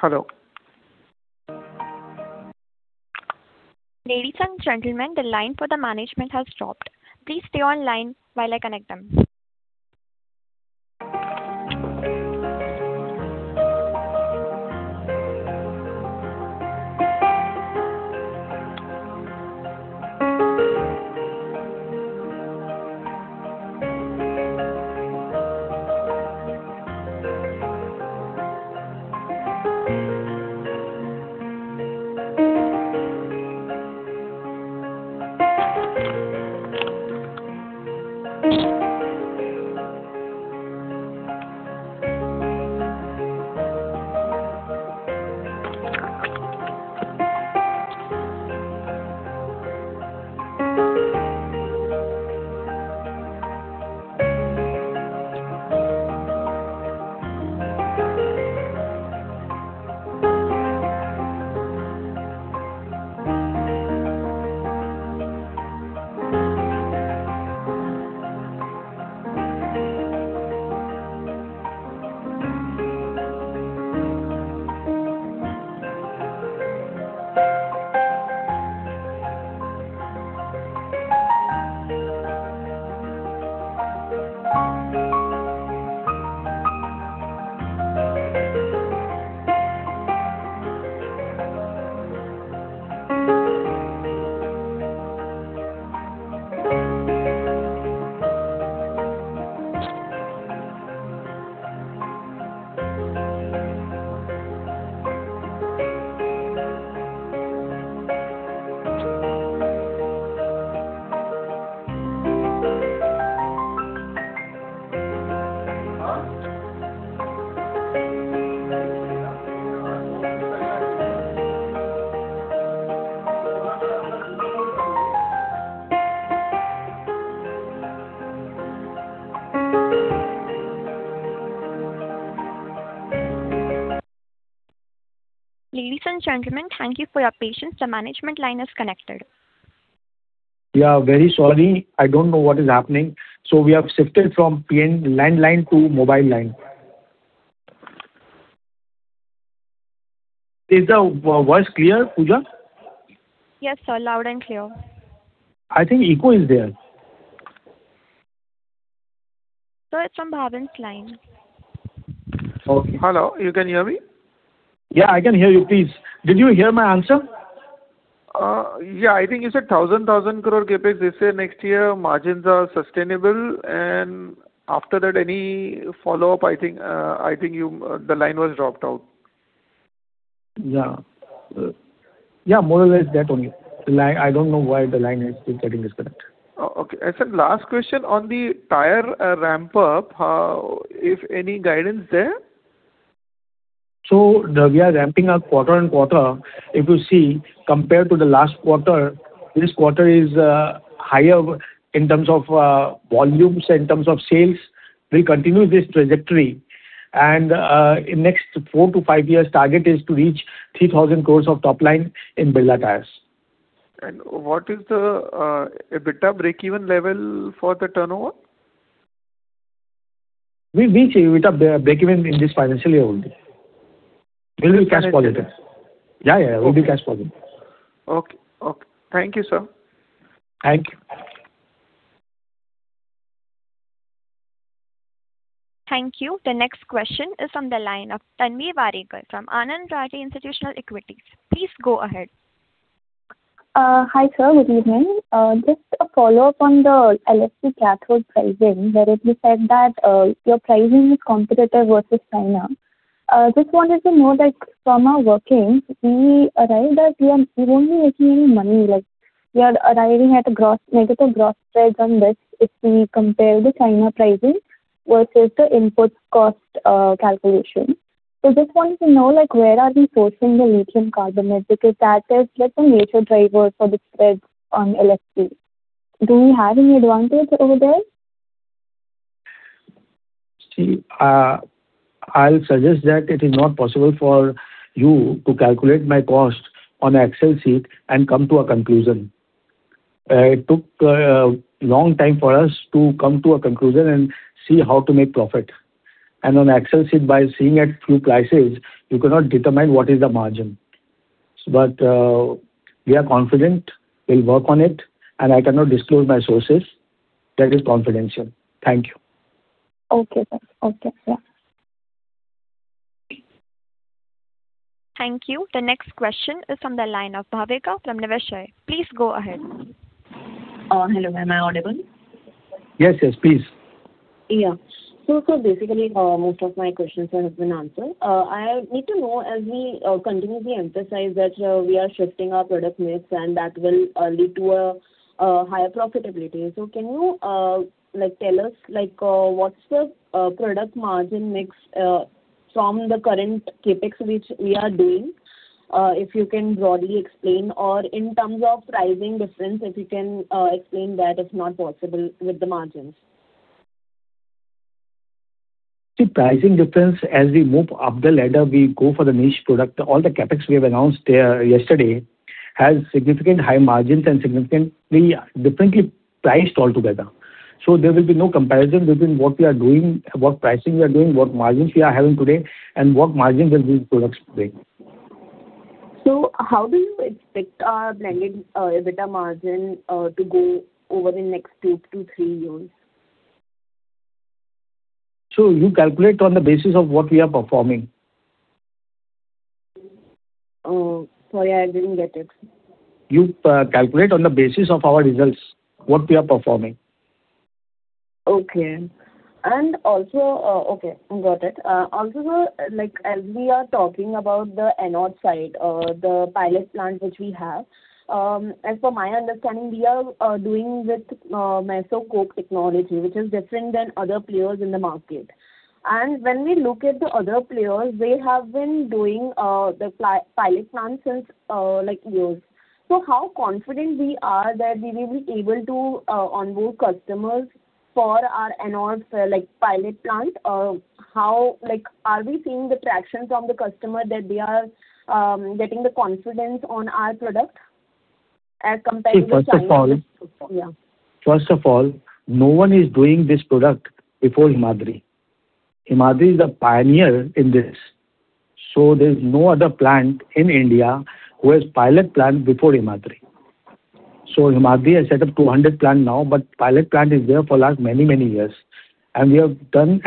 Hello? Ladies and gentlemen, the line for the management has dropped. Please stay on line while I connect them. Ladies and gentlemen, thank you for your patience. The management line is connected. Yeah. Very sorry. I don't know what is happening. We have shifted from PN landline to mobile line. Is the voice clear, Puja? Yes, sir. Loud and clear. I think echo is there. Sir, it's from Bhavin's line. Hello. You can hear me? I can hear you. Please. Did you hear my answer? I think you said 1,000 crore CapEx this year, next year margins are sustainable, and after that, any follow-up, I think the line was dropped out. More or less that only. I don't know why the line is getting disconnect. Okay. I said last question on the tire ramp-up, if any guidance there? We are ramping up quarter-on-quarter. If you see, compared to the last quarter, this quarter is higher in terms of volumes, in terms of sales. We continue this trajectory, and in next four to five years, target is to reach 3,000 crore of top line in Birla Tyres. What is the EBITDA break-even level for the turnover? We'll reach EBITDA break-even in this financial year only. We will be cash positive. Next year. Yeah. We'll be cash positive. Okay. Thank you, sir. Thank you. Thank you. The next question is on the line of Tanvi Warekar from Anand Rathi Institutional Equities. Please go ahead. Hi, sir. Good evening. Just a follow-up on the LFP cathode pricing, where it was said that your pricing is competitive versus China. Just wanted to know that from our workings, we arrived at you won't be making any money. We are arriving at a negative gross spread on this if we compare the China pricing versus the input cost calculation. Just wanted to know where are we sourcing the lithium carbonate, because that is like the major driver for the spreads on LFP. Do we have any advantage over there? See, I'll suggest that it is not possible for you to calculate my cost on Excel sheet and come to a conclusion It took a long time for us to come to a conclusion and see how to make profit. On Excel sheet, by seeing a few prices, you cannot determine what is the margin. We are confident we'll work on it. I cannot disclose my sources. That is confidential. Thank you. Okay, sir. Okay. Yeah. Thank you. The next question is from the line of Bhavika from Niveshaay. Please go ahead. Hello, am I audible? Yes, please. Yeah. Basically, most of my questions have been answered. I need to know, as we continuously emphasize that we are shifting our product mix and that will lead to a higher profitability. Can you tell us what's the product margin mix from the current CapEx which we are doing? If you can broadly explain. Or in terms of pricing difference, if you can explain that, if not possible, with the margins. See, pricing difference, as we move up the ladder, we go for the niche product. All the CapEx we have announced yesterday has significant high margins and significantly differently priced altogether. There will be no comparison between what we are doing, what pricing we are doing, what margins we are having today, and what margins will these products bring. How do you expect our blended EBITDA margin to go over the next two to three years? You calculate on the basis of what we are performing. Sorry, I didn't get it. You calculate on the basis of our results, what we are performing. Okay. Okay, got it. Also, sir, as we are talking about the anode side, the pilot plant which we have, as per my understanding, we are doing with mesophase coke technology, which is different than other players in the market. When we look at the other players, they have been doing the pilot plant since years. How confident we are that we will be able to onboard customers for our anodes pilot plant? Are we seeing the traction from the customer that they are getting the confidence on our product as compared to the- See, first of all- Yeah. First of all, no one is doing this product before Himadri. Himadri is a pioneer in this. There's no other plant in India who has pilot plant before Himadri. Himadri has set up 200 plant now, but pilot plant is there for last many, many years. We are doing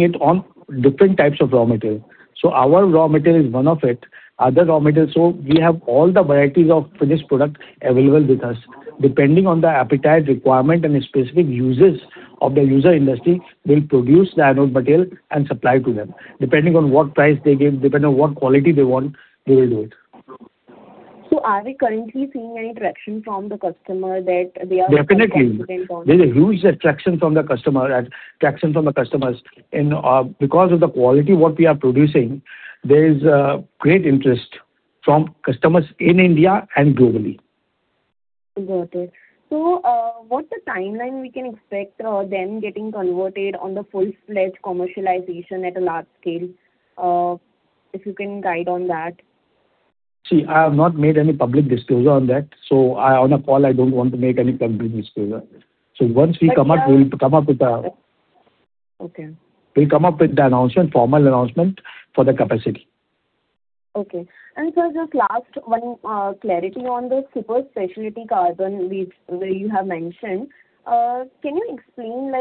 it on different types of raw material. Our raw material is one of it, other raw material. We have all the varieties of finished product available with us. Depending on the appetite requirement and specific uses of the user industry, we'll produce the anode material and supply to them. Depending on what price they give, depending on what quality they want, we will do it. Are we currently seeing any traction from the customer that they are? Definitely. on this. There's a huge traction from the customers. Because of the quality what we are producing, there is great interest from customers in India and globally. Got it. What's the timeline we can expect them getting converted on the full-fledged commercialization at a large scale? If you can guide on that? I have not made any public disclosure on that. On a call, I don't want to make any public disclosure. Once we come up, we'll come up with a Okay. We'll come up with the announcement, formal announcement for the capacity. Okay. Sir, just last one clarity on the Super Speciality Carbon where you have mentioned. Can you explain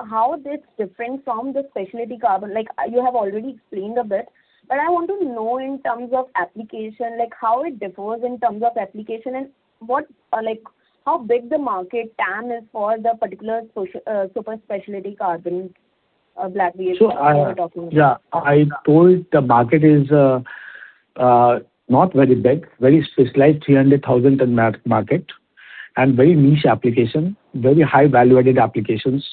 how this different from the Speciality Carbon? You have already explained a bit, but I want to know in terms of application, how it differs in terms of application and how big the market TAM is for the particular Super Speciality Carbon Black we are talking about. Yeah. I told the market is not very big, very specialized, 300,000 ton market, very niche application, very high value-added applications.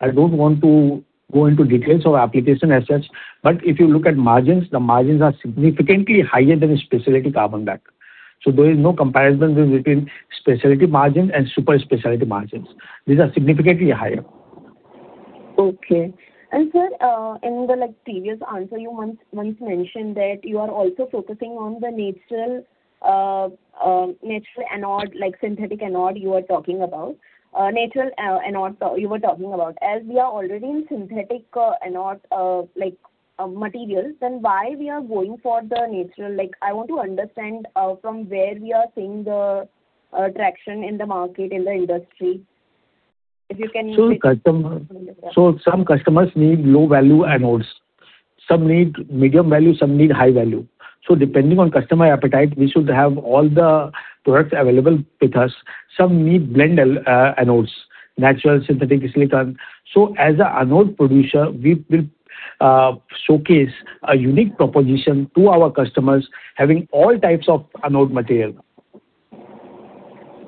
I don't want to go into details of application as such, if you look at margins, the margins are significantly higher than a Speciality Carbon Black. There is no comparison between Speciality margin and Super Speciality margins. These are significantly higher. Okay. Sir, in the previous answer, you once mentioned that you are also focusing on the natural anode, like synthetic anode you were talking about. Natural anode you were talking about. Why we are going for the natural? I want to understand from where we are seeing the traction in the market, in the industry. Some customers need low-value anodes. Some need medium value, some need high value. Depending on customer appetite, we should have all the products available with us. Some need blend anodes, natural, synthetic silicon. As an anode producer, we will showcase a unique proposition to our customers having all types of anode material.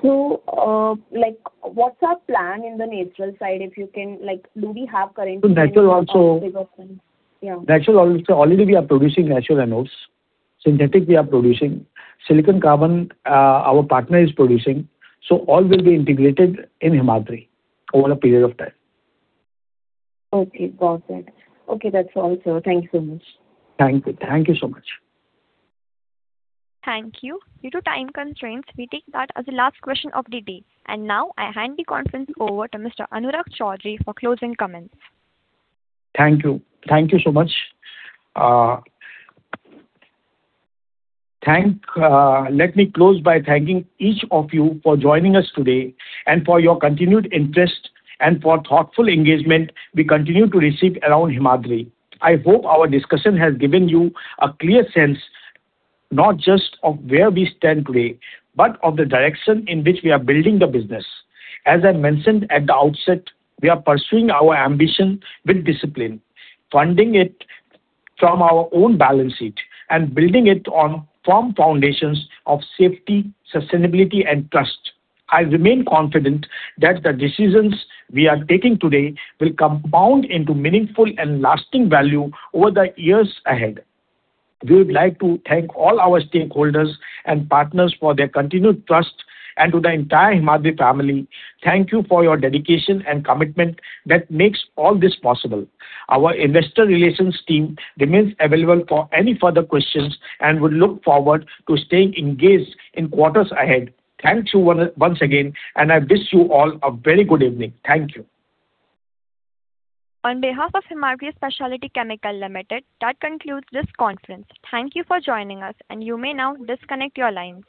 What's our plan in the natural side? Natural also. Yeah. Natural, already we are producing natural anodes. Synthetic we are producing. Silicon-carbon, our partner is producing. All will be integrated in Himadri over a period of time. Okay, got it. Okay, that's all, sir. Thank you so much. Thank you. Thank you so much. Thank you. Due to time constraints, we take that as the last question of the day. Now I hand the conference over to Mr. Anurag Choudhary for closing comments. Thank you. Thank you so much. Let me close by thanking each of you for joining us today, and for your continued interest, and for thoughtful engagement we continue to receive around Himadri. I hope our discussion has given you a clear sense, not just of where we stand today, but of the direction in which we are building the business. As I mentioned at the outset, we are pursuing our ambition with discipline, funding it from our own balance sheet, and building it on firm foundations of safety, sustainability, and trust. I remain confident that the decisions we are taking today will compound into meaningful and lasting value over the years ahead. We would like to thank all our stakeholders and partners for their continued trust, and to the entire Himadri family, thank you for your dedication and commitment that makes all this possible. Our investor relations team remains available for any further questions and would look forward to staying engaged in quarters ahead. Thank you once again, and I wish you all a very good evening. Thank you. On behalf of Himadri Speciality Chemical Limited, that concludes this conference. Thank you for joining us, and you may now disconnect your lines.